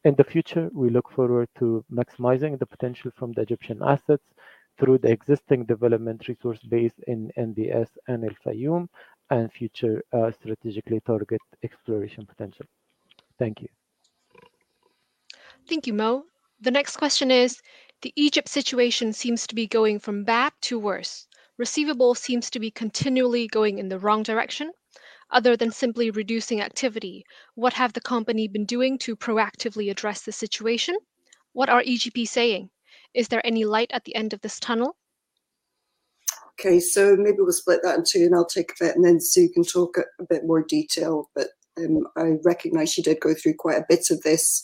In the future, we look forward to maximizing the potential from the Egyptian assets through the existing development resource base in NBS and El Fayum, and future, strategically target exploration potential. Thank you. Thank you, Mo. The next question is: The Egypt situation seems to be going from bad to worse. Receivables seems to be continually going in the wrong direction. Other than simply reducing activity, what have the company been doing to proactively address the situation? What are EGPC saying? Is there any light at the end of this tunnel? Okay, so maybe we'll split that in two, and I'll take a bit, and then Sue can talk a bit more detail. But, I recognize she did go through quite a bit of this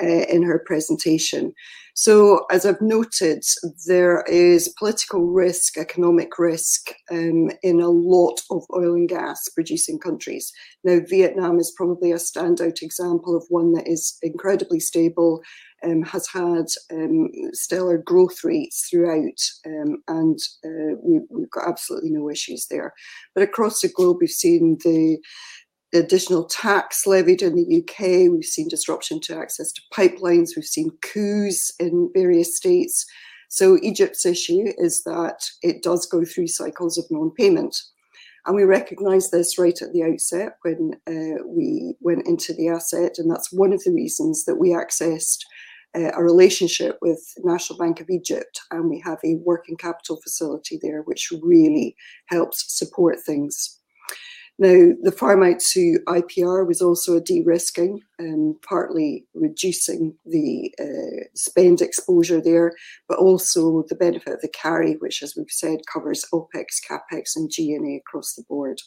in her presentation. So as I've noted, there is political risk, economic risk in a lot of oil and gas-producing countries. Now, Vietnam is probably a standout example of one that is incredibly stable and has had stellar growth rates throughout, and we've got absolutely no issues there. But across the globe, we've seen the additional tax levied in the U.K., we've seen disruption to access to pipelines, we've seen coups in various states. So Egypt's issue is that it does go through cycles of non-payment, and we recognized this right at the outset when we went into the asset, and that's one of the reasons that we accessed a relationship with National Bank of Egypt, and we have a working capital facility there, which really helps support things. Now, the farm out to IPR was also a de-risking and partly reducing the spend exposure there, but also the benefit of the carry, which, as we've said, covers OpEx, CapEx, and G&A across the board.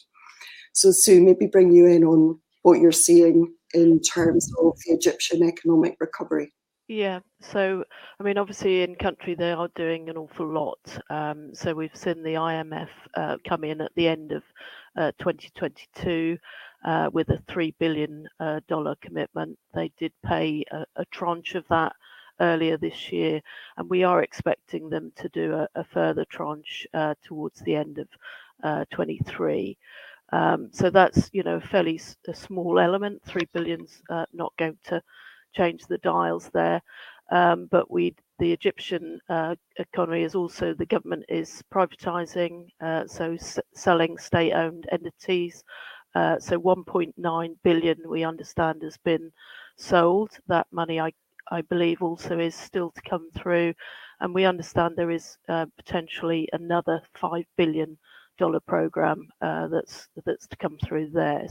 So, Sue, maybe bring you in on what you're seeing in terms of the Egyptian economic recovery. Yeah. So, I mean, obviously, in country, they are doing an awful lot. So we've seen the IMF come in at the end of 2022 with a $3 billion commitment. They did pay a tranche of that earlier this year, and we are expecting them to do a further tranche towards the end of 2023. So that's, you know, a fairly small element. $3 billion's not going to change the dials there. But the Egyptian economy is also... the government is privatizing, so selling state-owned entities. So $1.9 billion, we understand, has been sold. That money, I believe, also is still to come through, and we understand there is potentially another $5 billion program that's to come through there.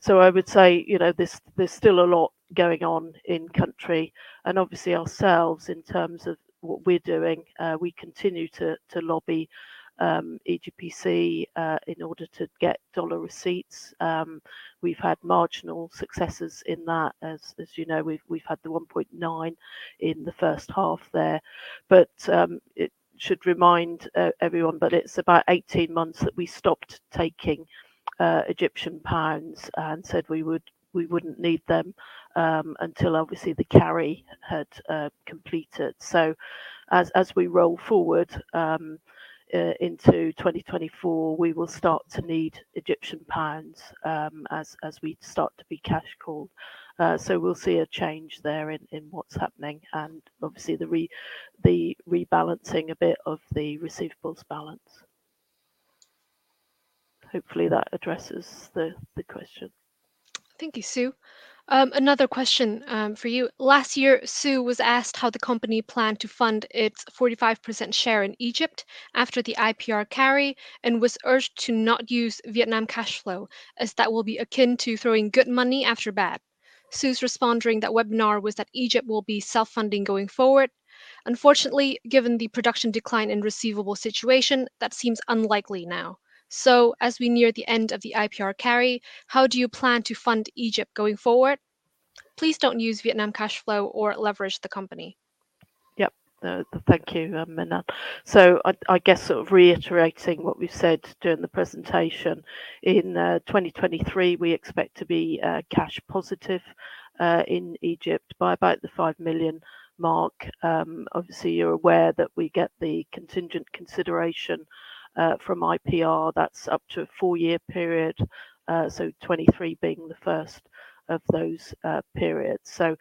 So, so I would say, you know, there's, there's still a lot going on in country, and obviously, ourselves, in terms of what we're doing, we continue to, to lobby, EGPC, in order to get dollar receipts. We've had marginal successes in that. As, as you know, we've, we've had the $1.9 in the first half there. But, it should remind everyone, but it's about 18 months that we stopped taking, Egyptian pounds and said we would, we wouldn't need them, until obviously the carry had, completed. So as, as we roll forward, into 2024, we will start to need Egyptian pounds, as, as we start to be cash called. So we'll see a change there in, in what's happening and obviously the rebalancing a bit of the receivables balance. Hopefully, that addresses the question. Thank you, Sue. Another question for you. Last year, Sue was asked how the company planned to fund its 45% share in Egypt after the IPR carry, and was urged to not use Vietnam cash flow, as that will be akin to throwing good money after bad. Sue's response during that webinar was that Egypt will be self-funding going forward. Unfortunately, given the production decline in receivable situation, that seems unlikely now. So as we near the end of the IPR carry, how do you plan to fund Egypt going forward? Please don't use Vietnam cash flow or leverage the company. Yep. Thank you, Minh-Anh. So I guess sort of reiterating what we've said during the presentation, in 2023, we expect to be cash positive in Egypt by about the $5 million mark. Obviously, you're aware that we get the contingent consideration from IPR. That's up to a four-year period, so 2023 being the first of those periods. So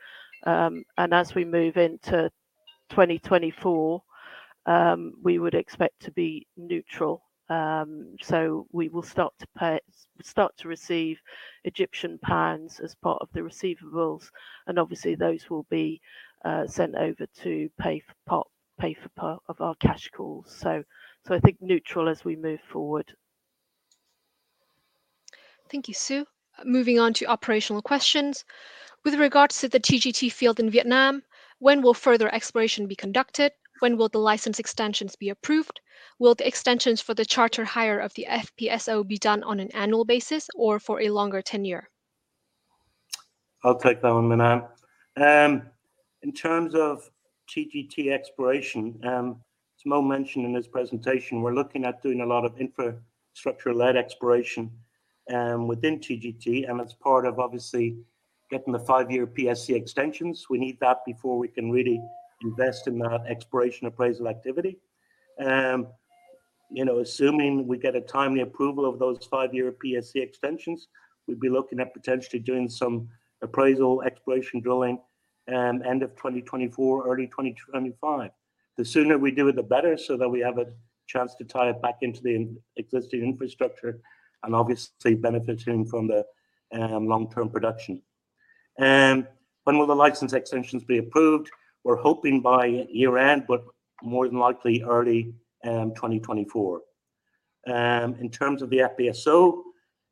and as we move into 2024, we would expect to be neutral. So we will start to receive Egyptian pounds as part of the receivables, and obviously, those will be sent over to pay for part of our cash calls. So I think neutral as we move forward. Thank you, Sue. Moving on to operational questions. With regards to the TGT field in Vietnam, when will further exploration be conducted? When will the license extensions be approved? Will the extensions for the charter hire of the FPSO be done on an annual basis or for a longer tenure? I'll take that one, Minh-Anh. In terms of TGT exploration, as Mo mentioned in his presentation, we're looking at doing a lot of infrastructure-led exploration within TGT, and it's part of obviously getting the five-year PSC extensions. We need that before we can really invest in that exploration appraisal activity. You know, assuming we get a timely approval of those five-year PSC extensions, we'd be looking at potentially doing some appraisal, exploration, drilling end of 2024, early 2025. The sooner we do it, the better, so that we have a chance to tie it back into the existing infrastructure and obviously benefiting from the long-term production. When will the license extensions be approved? We're hoping by year-end, but more than likely early 2024. In terms of the FPSO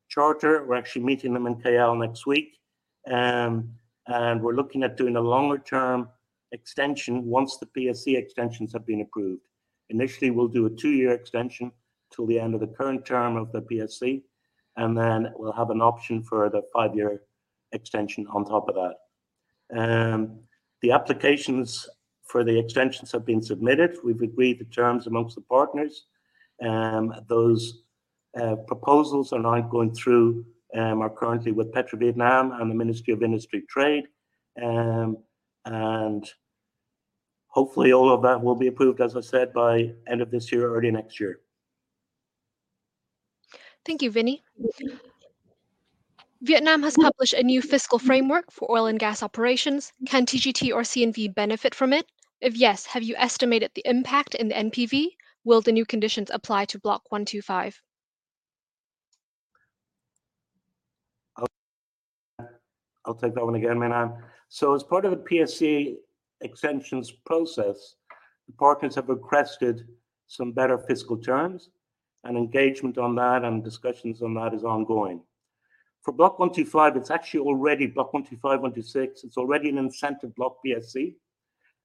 charter, we're actually meeting them in KL next week, and we're looking at doing a longer-term extension once the PSC extensions have been approved. Initially, we'll do a two-year extension till the end of the current term of the PSC, and then we'll have an option for the five-year extension on top of that. The applications for the extensions have been submitted. We've agreed the terms amongst the partners, those proposals are now going through, are currently with PetroVietnam and the Ministry of Industry and Trade. And hopefully all of that will be approved, as I said, by end of this year or early next year. Thank you, Vinny. Vietnam has published a new fiscal framework for oil and gas operations. Can TGT or CNV benefit from it? If yes, have you estimated the impact in the NPV? Will the new conditions apply to Block 125? I'll take that one again, Minh-Anh. So as part of the PSC extensions process, the partners have requested some better fiscal terms, and engagement on that and discussions on that is ongoing. For Block 125, it's actually already Block 125, 126. It's already an incentive block PSC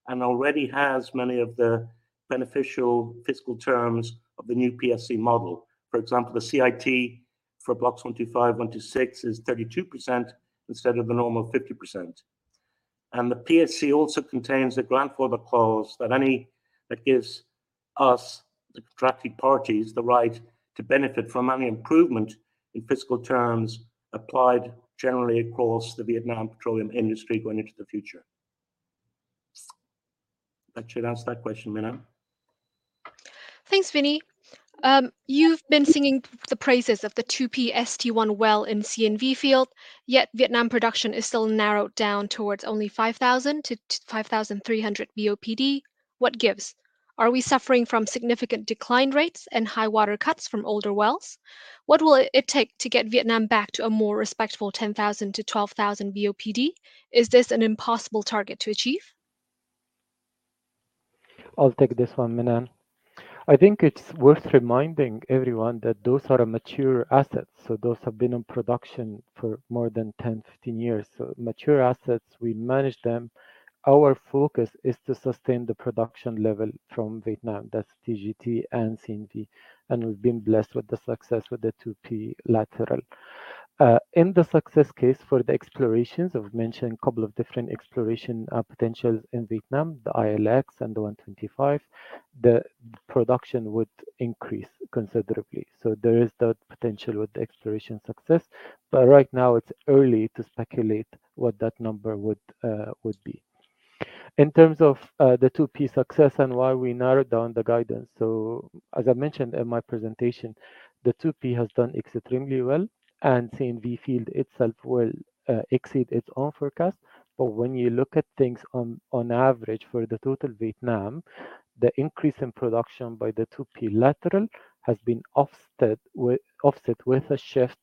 and already has many of the beneficial fiscal terms of the new PSC model. For example, the CIT for Blocks 125, 126 is 32% instead of the normal 50%. And the PSC also contains a grandfather clause that any, that gives us, the contracted parties, the right to benefit from any improvement in fiscal terms applied generally across the Vietnam petroleum industry going into the future. That should answer that question, Minh-Anh. Thanks, Vinny. You've been singing the praises of the 2PST1 well in CNV field, yet Vietnam production is still narrowed down towards only 5,000-5,300 BOPD. What gives? Are we suffering from significant decline rates and high water cuts from older wells? What will it take to get Vietnam back to a more respectful 10,000-12,000 BOPD? Is this an impossible target to achieve? I'll take this one, Minh-Anh. I think it's worth reminding everyone that those are mature assets, so those have been in production for more than 10, 15 years. So mature assets, we manage them. Our focus is to sustain the production level from Vietnam, that's TGT and CNV, and we've been blessed with the success with the 2P lateral. In the success case for the explorations, I've mentioned a couple of different exploration potentials in Vietnam, the ILX and the 125, the production would increase considerably. So there is that potential with the exploration success. But right now, it's early to speculate what that number would, would be. In terms of the 2P success and why we narrowed down the guidance, so as I mentioned in my presentation, the 2P has done extremely well, and CNV field itself will exceed its own forecast. But when you look at things on average for the total Vietnam, the increase in production by the 2P lateral has been offset with a shift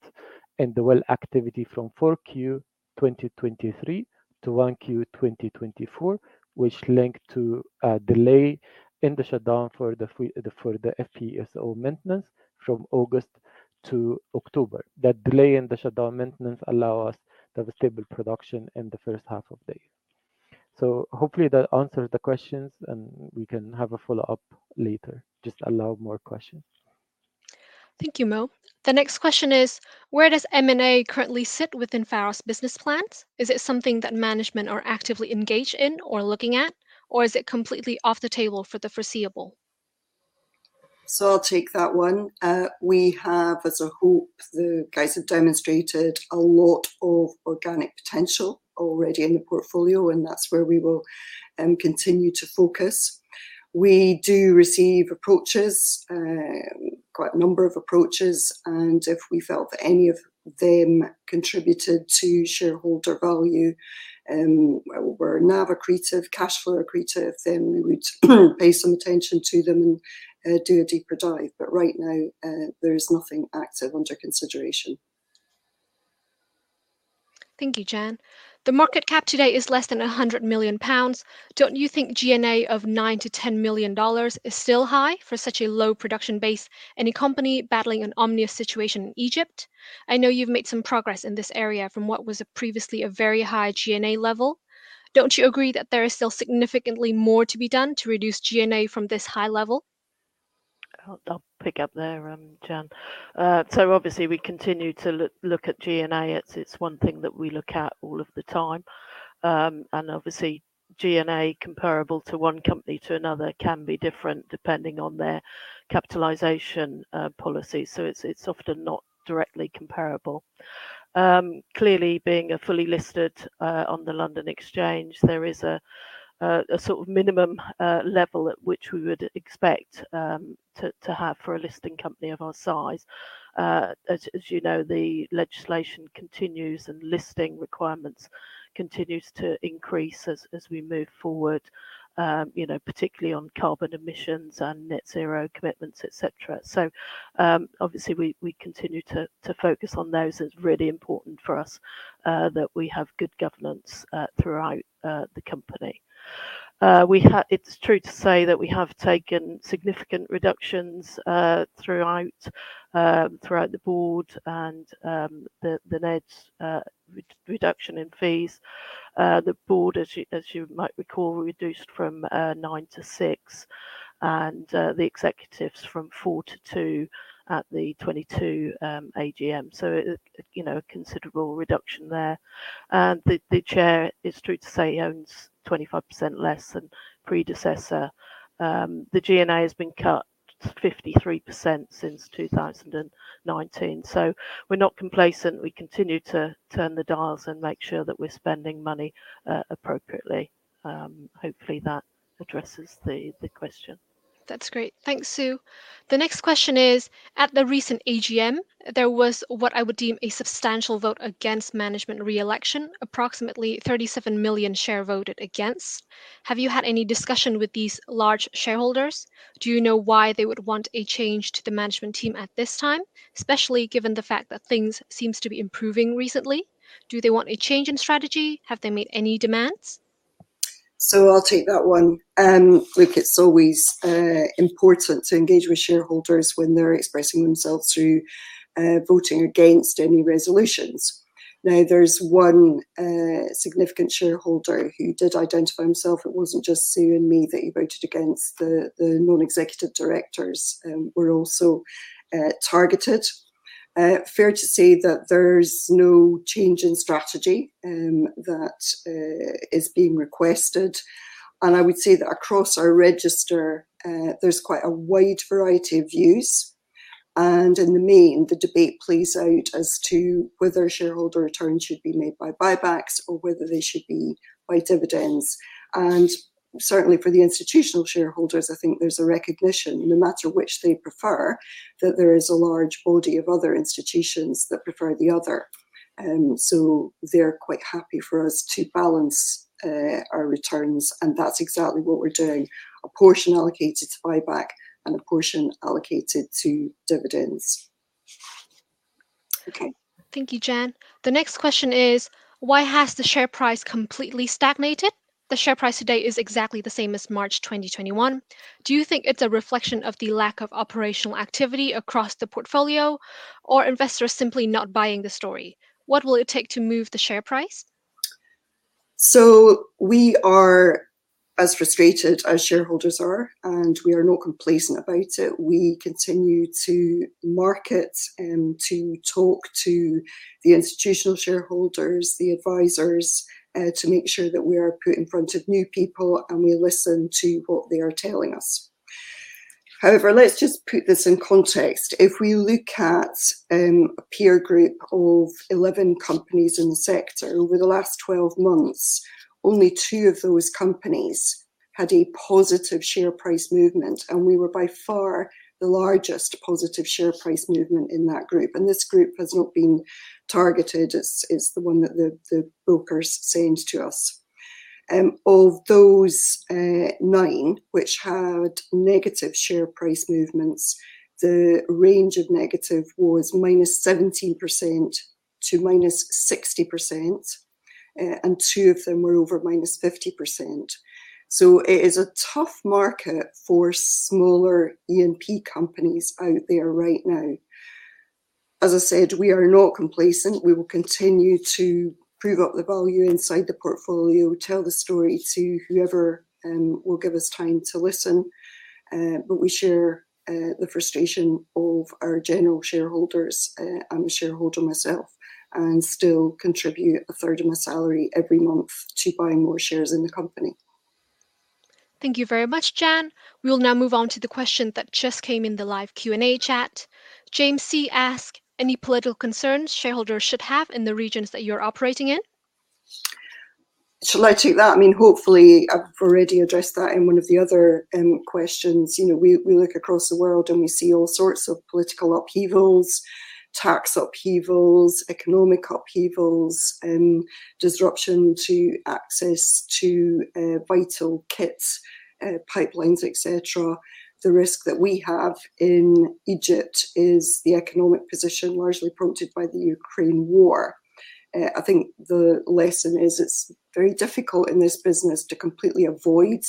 in the well activity from Q4 2023 to Q1 2024, which linked to a delay in the shutdown for the FPSO maintenance from August to October. That delay in the shutdown maintenance allow us to have a stable production in the first half of the year. So hopefully that answers the questions, and we can have a follow-up later. Just allow more questions. Thank you, Mo. The next question is: where does M&A currently sit within Pharos business plans? Is it something that management are actively engaged in or looking at, or is it completely off the table for the foreseeable? So I'll take that one. We have, as a whole, the guys have demonstrated a lot of organic potential already in the portfolio, and that's where we will continue to focus. We do receive approaches, quite a number of approaches, and if we felt that any of them contributed to shareholder value, were NAV accretive, cash flow accretive, then we would pay some attention to them and do a deeper dive. But right now, there is nothing active under consideration. Thank you, Jann. The market cap today is less than 100 million pounds. Don't you think G&A of $9 million-$10 million is still high for such a low production base and a company battling an ominous situation in Egypt? I know you've made some progress in this area from what was previously a very high G&A level. Don't you agree that there is still significantly more to be done to reduce G&A from this high level? I'll pick up thenre, Jann. So obviously, we continue to look at G&A. It's one thing that we look at all of the time. And obviously, G&A comparable to one company to another can be different depending on their capitalization, policy, so it's often not directly comparable. Clearly, being a fully listed on the London Exchange, there is a sort of minimum level at which we would expect to have for a listing company of our size. As you know, the legislation continues, and listing requirements continues to increase as we move forward, you know, particularly on carbon emissions and Net Zero commitments, et cetera. So obviously, we continue to focus on those. It's really important for us that we have good governance throughout the company. It's true to say that we have taken significant reductions throughout the board and the net reduction in fees. The board, as you might recall, reduced from nine to six and the executives from four to two at the 2022 AGM, so you know, a considerable reduction there. The chair, it's true to say, owns 25% less than predecessor. The G&A has been cut 53% since 2019. We're not complacent. We continue to turn the dials and make sure that we're spending money appropriately. Hopefully, that addresses the question. That's great. Thanks, Sue. The next question is: At the recent AGM, there was what I would deem a substantial vote against management re-election. Approximately 37 million shares voted against. Have you had any discussion with these large shareholders? Do you know why they would want a change to the management team at this time, especially given the fact that things seem to be improving recently? Do they want a change in strategy? Have they made any demands? So I'll take that one. Look, it's always important to engage with shareholders when they're expressing themselves through voting against any resolutions. Now, there's one significant shareholder who did identify himself. It wasn't just Sue and me that he voted against. The non-executive directors were also targeted. Fair to say that there's no change in strategy that is being requested, and I would say that across our register, there's quite a wide variety of views. And in the main, the debate plays out as to whether shareholder returns should be made by buybacks or whether they should be by dividends. And certainly, for the institutional shareholders, I think there's a recognition, no matter which they prefer, that there is a large body of other institutions that prefer the other. So they're quite happy for us to balance our returns, and that's exactly what we're doing. A portion allocated to buyback and a portion allocated to dividends. Okay. Thank you, Jann. The next question is: Why has the share price completely stagnated? The share price today is exactly the same as March 2021. Do you think it's a reflection of the lack of operational activity across the portfolio, or investors simply not buying the story? What will it take to move the share price? So we are as frustrated as shareholders are, and we are not complacent about it. We continue to market to talk to the institutional shareholders, the advisors to make sure that we are put in front of new people, and we listen to what they are telling us. However, let's just put this in context. If we look at a peer group of 11 companies in the sector over the last 12 months, only two of those companies had a positive share price movement, and we were by far the largest positive share price movement in that group. And this group has not been targeted. It's, it's the one that the, the brokers sent to us. Of those nine which had negative share price movements, the range of negative was -17% to -60%, and two of them were over -50%. It is a tough market for smaller E&P companies out there right now. As I said, we are not complacent. We will continue to prove up the value inside the portfolio, tell the story to whoever will give us time to listen. But we share the frustration of our general shareholders. I'm a shareholder myself, and still contribute a third of my salary every month to buying more shares in the company. Thank you very much, Jann. We will now move on to the question that just came in the live Q&A chat. James C. asked, "Any political concerns shareholders should have in the regions that you're operating in? Shall I take that? I mean, hopefully, I've already addressed that in one of the other questions. You know, we, we look across the world, and we see all sorts of political upheavals, tax upheavals, economic upheavals, disruption to access to vital kits, pipelines, et cetera. The risk that we have in Egypt is the economic position, largely prompted by the Ukraine war. I think the lesson is, it's very difficult in this business to completely avoid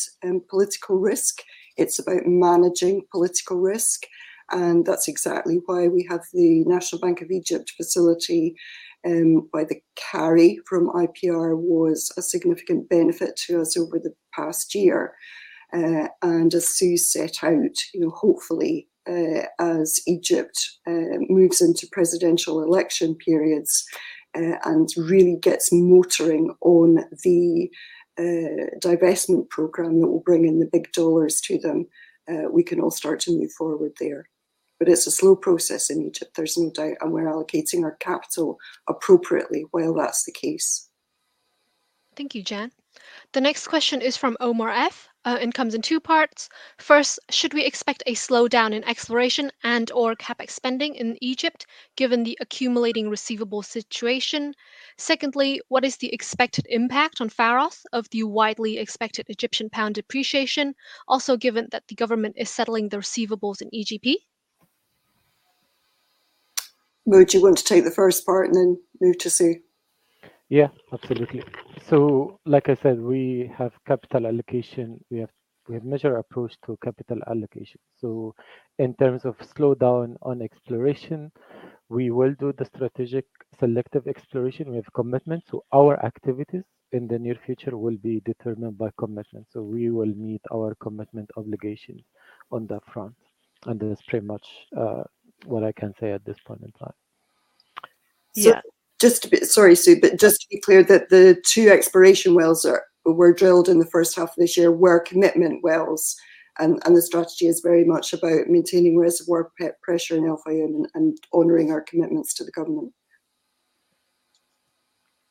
political risk. It's about managing political risk, and that's exactly why we have the National Bank of Egypt facility, why the carry from IPR was a significant benefit to us over the past year. As Sue set out, you know, hopefully, as Egypt moves into presidential election periods, and really gets motoring on the divestment program that will bring in the big dollars to them, we can all start to move forward there. But it's a slow process in Egypt, there's no doubt, and we're allocating our capital appropriately while that's the case. Thank you, Jann. The next question is from Omar F., and comes in two parts. First, should we expect a slowdown in exploration and/or CapEx spending in Egypt, given the accumulating receivable situation? Secondly, what is the expected impact on Pharos of the widely expected Egyptian pound depreciation, also given that the government is settling the receivables in EGP? Mo, do you want to take the first part and then move to Sue? Yeah, absolutely. So like I said, we have capital allocation. We have measured approach to capital allocation. So in terms of slowdown on exploration, we will do the strategic selective exploration. We have commitment, so our activities in the near future will be determined by commitment, so we will meet our commitment obligation on that front. And that's pretty much what I can say at this point in time. Yeah. Just a bit... Sorry, Sue, but just to be clear, that the two exploration wells were drilled in the first half of this year were commitment wells, and the strategy is very much about maintaining reservoir pore pressure in El Fayum and honoring our commitments to the government.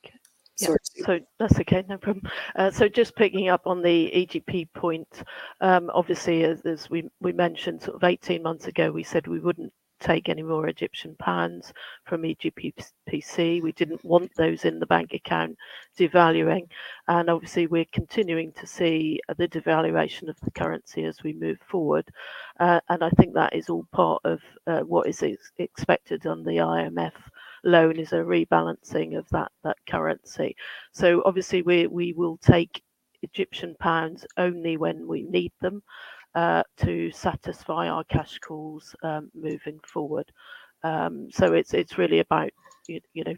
Okay. Sorry, Sue. So that's okay, no problem. So just picking up on the EGP point, obviously, as we mentioned, sort of 18 months ago, we said we wouldn't take any more Egyptian pounds from EGPC. We didn't want those in the bank account devaluing, and obviously, we're continuing to see the devaluation of the currency as we move forward. And I think that is all part of what is expected on the IMF loan, is a rebalancing of that currency. So obviously, we will take Egyptian pounds only when we need them to satisfy our cash calls moving forward. So it's really about, you know,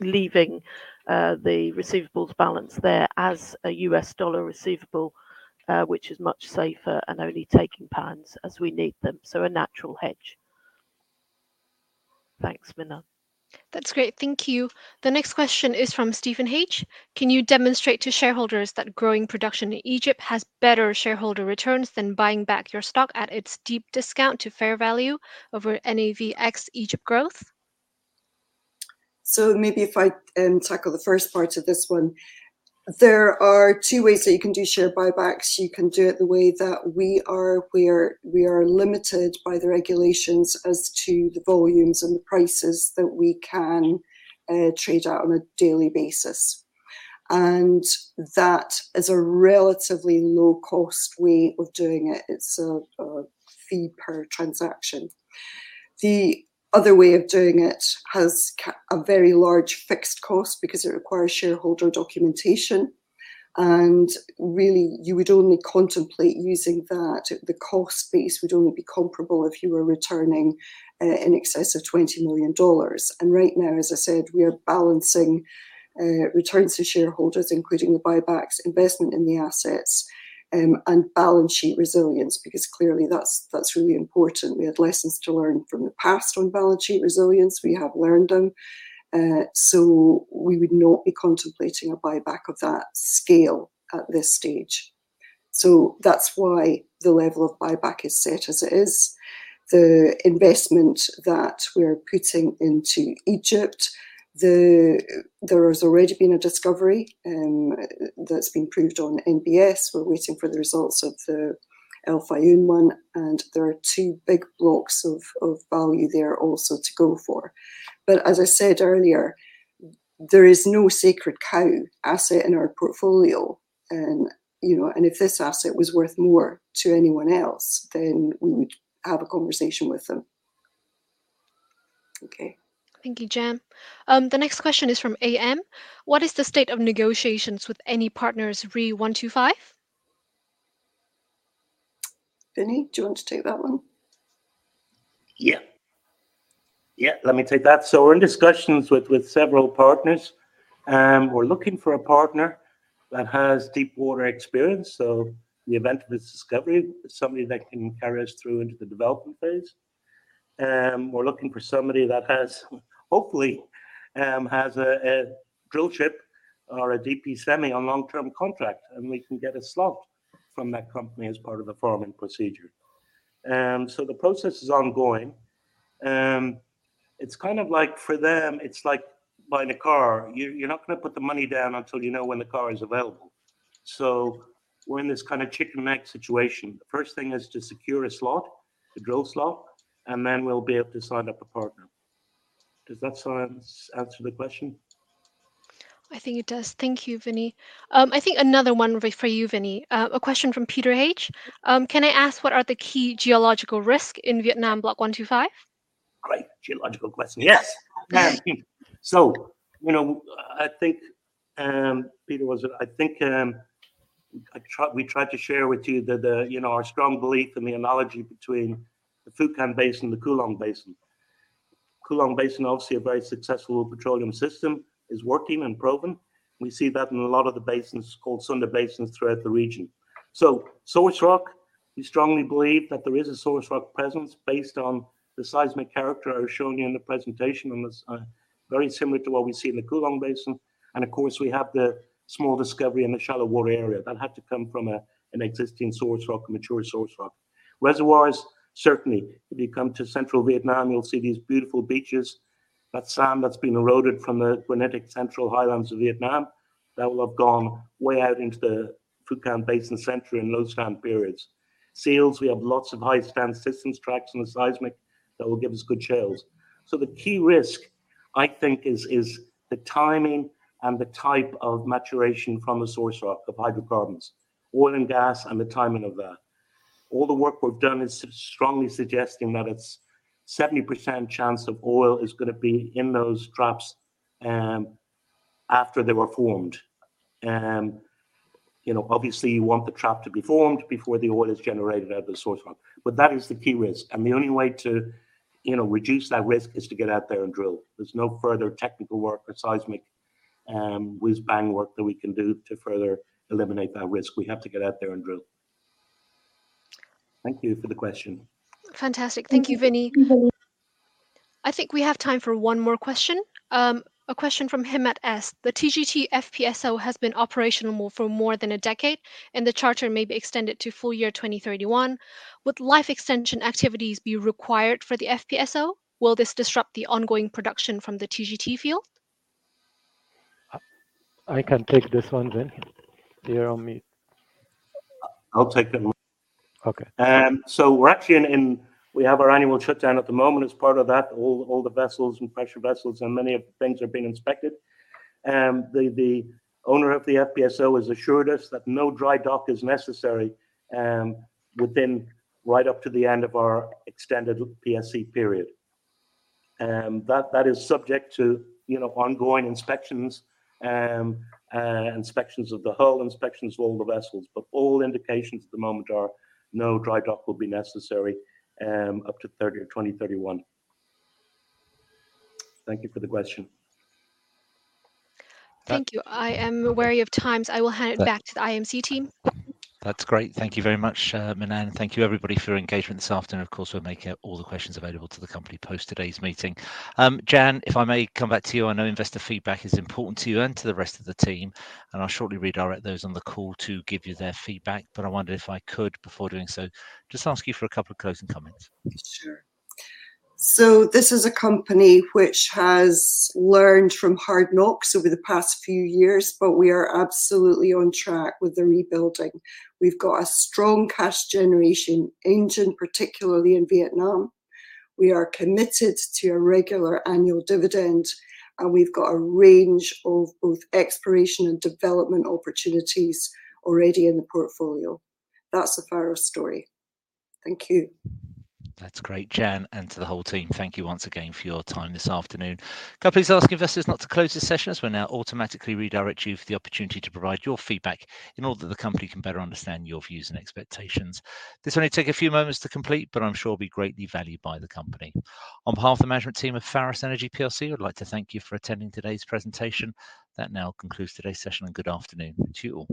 leaving the receivables balance there as a U.S. dollar receivable, which is much safer, and only taking pounds as we need them, so a natural hedge. Thanks, Minh-Anh. That's great. Thank you. The next question is from Stephen H. Can you demonstrate to shareholders that growing production in Egypt has better shareholder returns than buying back your stock at its deep discount to fair value over NAV ex Egypt growth? So maybe if I tackle the first part of this one. There are two ways that you can do share buybacks. You can do it the way that we are, where we are limited by the regulations as to the volumes and the prices that we can trade out on a daily basis, and that is a relatively low-cost way of doing it. It's a fee per transaction. The other way of doing it has a very large fixed cost because it requires shareholder documentation, and really, you would only contemplate using that, the cost base would only be comparable if you were returning in excess of $20 million. And right now, as I said, we are balancing returns to shareholders, including the buybacks, investment in the assets, and balance sheet resilience, because clearly, that's really important. We had lessons to learn from the past on balance sheet resilience. We have learned them, so we would not be contemplating a buyback of that scale at this stage. So that's why the level of buyback is set as it is. The investment that we're putting into Egypt, there has already been a discovery, that's been proved on NBS. We're waiting for the results of the El Fayum one, and there are two big blocks of value there also to go for. But as I said earlier, there is no sacred cow asset in our portfolio, and, you know, and if this asset was worth more to anyone else, then we would have a conversation with them. Okay. Thank you, Jann. The next question is from A.M. What is the state of negotiations with any partners re: 125? Vinny, do you want to take that one? Yeah. Yeah, let me take that. So we're in discussions with several partners. We're looking for a partner that has deep water experience, so in the event of this discovery, somebody that can carry us through into the development phase. We're looking for somebody that has, hopefully, a drill ship or a DP semi on long-term contract, and we can get a slot from that company as part of the farming procedure. So the process is ongoing. It's kind of like for them, it's like buying a car. You're not gonna put the money down until you know when the car is available. So we're in this kind of chicken and egg situation. The first thing is to secure a slot, the drill slot, and then we'll be able to sign up a partner. Does that answer the question? I think it does. Thank you, Vinny. I think another one would be for you, Vinny. A question from Peter H. "Can I ask what are the key geological risk in Vietnam Block 125? Great geological question. Yes! So, you know, I think, Peter, was it? I think, we tried to share with you the, you know, our strong belief and the analogy between the Phu Khanh Basin and the Cuu Long Basin. Cuu Long Basin, obviously a very successful petroleum system, is working and proven. We see that in a lot of the basins, called Sunda basins, throughout the region. So source rock, we strongly believe that there is a source rock presence based on the seismic character I was showing you in the presentation, and it's very similar to what we see in the Cuu Long Basin. And of course, we have the small discovery in the shallow water area. That had to come from an existing source rock, a mature source rock. Reservoirs, certainly. If you come to central Vietnam, you'll see these beautiful beaches. That's sand that's been eroded from the central highlands of Vietnam that will have gone way out into the Phu Khanh Basin in lowstand periods. Seals, we have lots of highstand systems tracts in the seismic that will give us good seals. So the key risk, I think, is the timing and the type of maturation from the source rock of hydrocarbons, oil and gas, and the timing of that. All the work we've done is strongly suggesting that it's 70% chance of oil is gonna be in those traps, after they were formed. You know, obviously, you want the trap to be formed before the oil is generated out of the source rock, but that is the key risk, and the only way to, you know, reduce that risk is to get out there and drill. There's no further technical work or seismic, whiz-bang work that we can do to further eliminate that risk. We have to get out there and drill. Thank you for the question. Fantastic. Thank you, Vinny. I think we have time for one more question. A question from Hemant S: "The TGT FPSO has been operational for more than a decade, and the charter may be extended to full year 2031. Would life extension activities be required for the FPSO? Will this disrupt the ongoing production from the TGT field? I can take this one, Vinny. They're on me. I'll take them. Okay. So we're actually in. We have our annual shutdown at the moment. As part of that, all the vessels and pressure vessels and many of the things are being inspected. The owner of the FPSO has assured us that no dry dock is necessary within right up to the end of our extended PSC period. That is subject to, you know, ongoing inspections, inspections of the hull, inspections of all the vessels, but all indications at the moment are no dry dock will be necessary up to 2031. Thank you for the question. Thank you. I am wary of times. Yeah. I will hand it back to the IMC team. That's great. Thank you very much, Minh-Anh, and thank you everybody for your engagement this afternoon. Of course, we'll make all the questions available to the company post today's meeting. Jann, if I may come back to you, I know investor feedback is important to you and to the rest of the team, and I'll shortly redirect those on the call to give you their feedback. But I wonder if I could, before doing so, just ask you for a couple of closing comments. Sure. So this is a company which has learned from hard knocks over the past few years, but we are absolutely on track with the rebuilding. We've got a strong cash generation engine, particularly in Vietnam. We are committed to a regular annual dividend, and we've got a range of both exploration and development opportunities already in the portfolio. That's the Pharos story. Thank you. That's great, Jann, and to the whole team, thank you once again for your time this afternoon. Can I please ask investors not to close this session, as we'll now automatically redirect you for the opportunity to provide your feedback in order that the company can better understand your views and expectations? This will only take a few moments to complete, but I'm sure it'll be greatly valued by the company. On behalf of the management team of Pharos Energy PLC, I'd like to thank you for attending today's presentation. That now concludes today's session, and good afternoon to you all.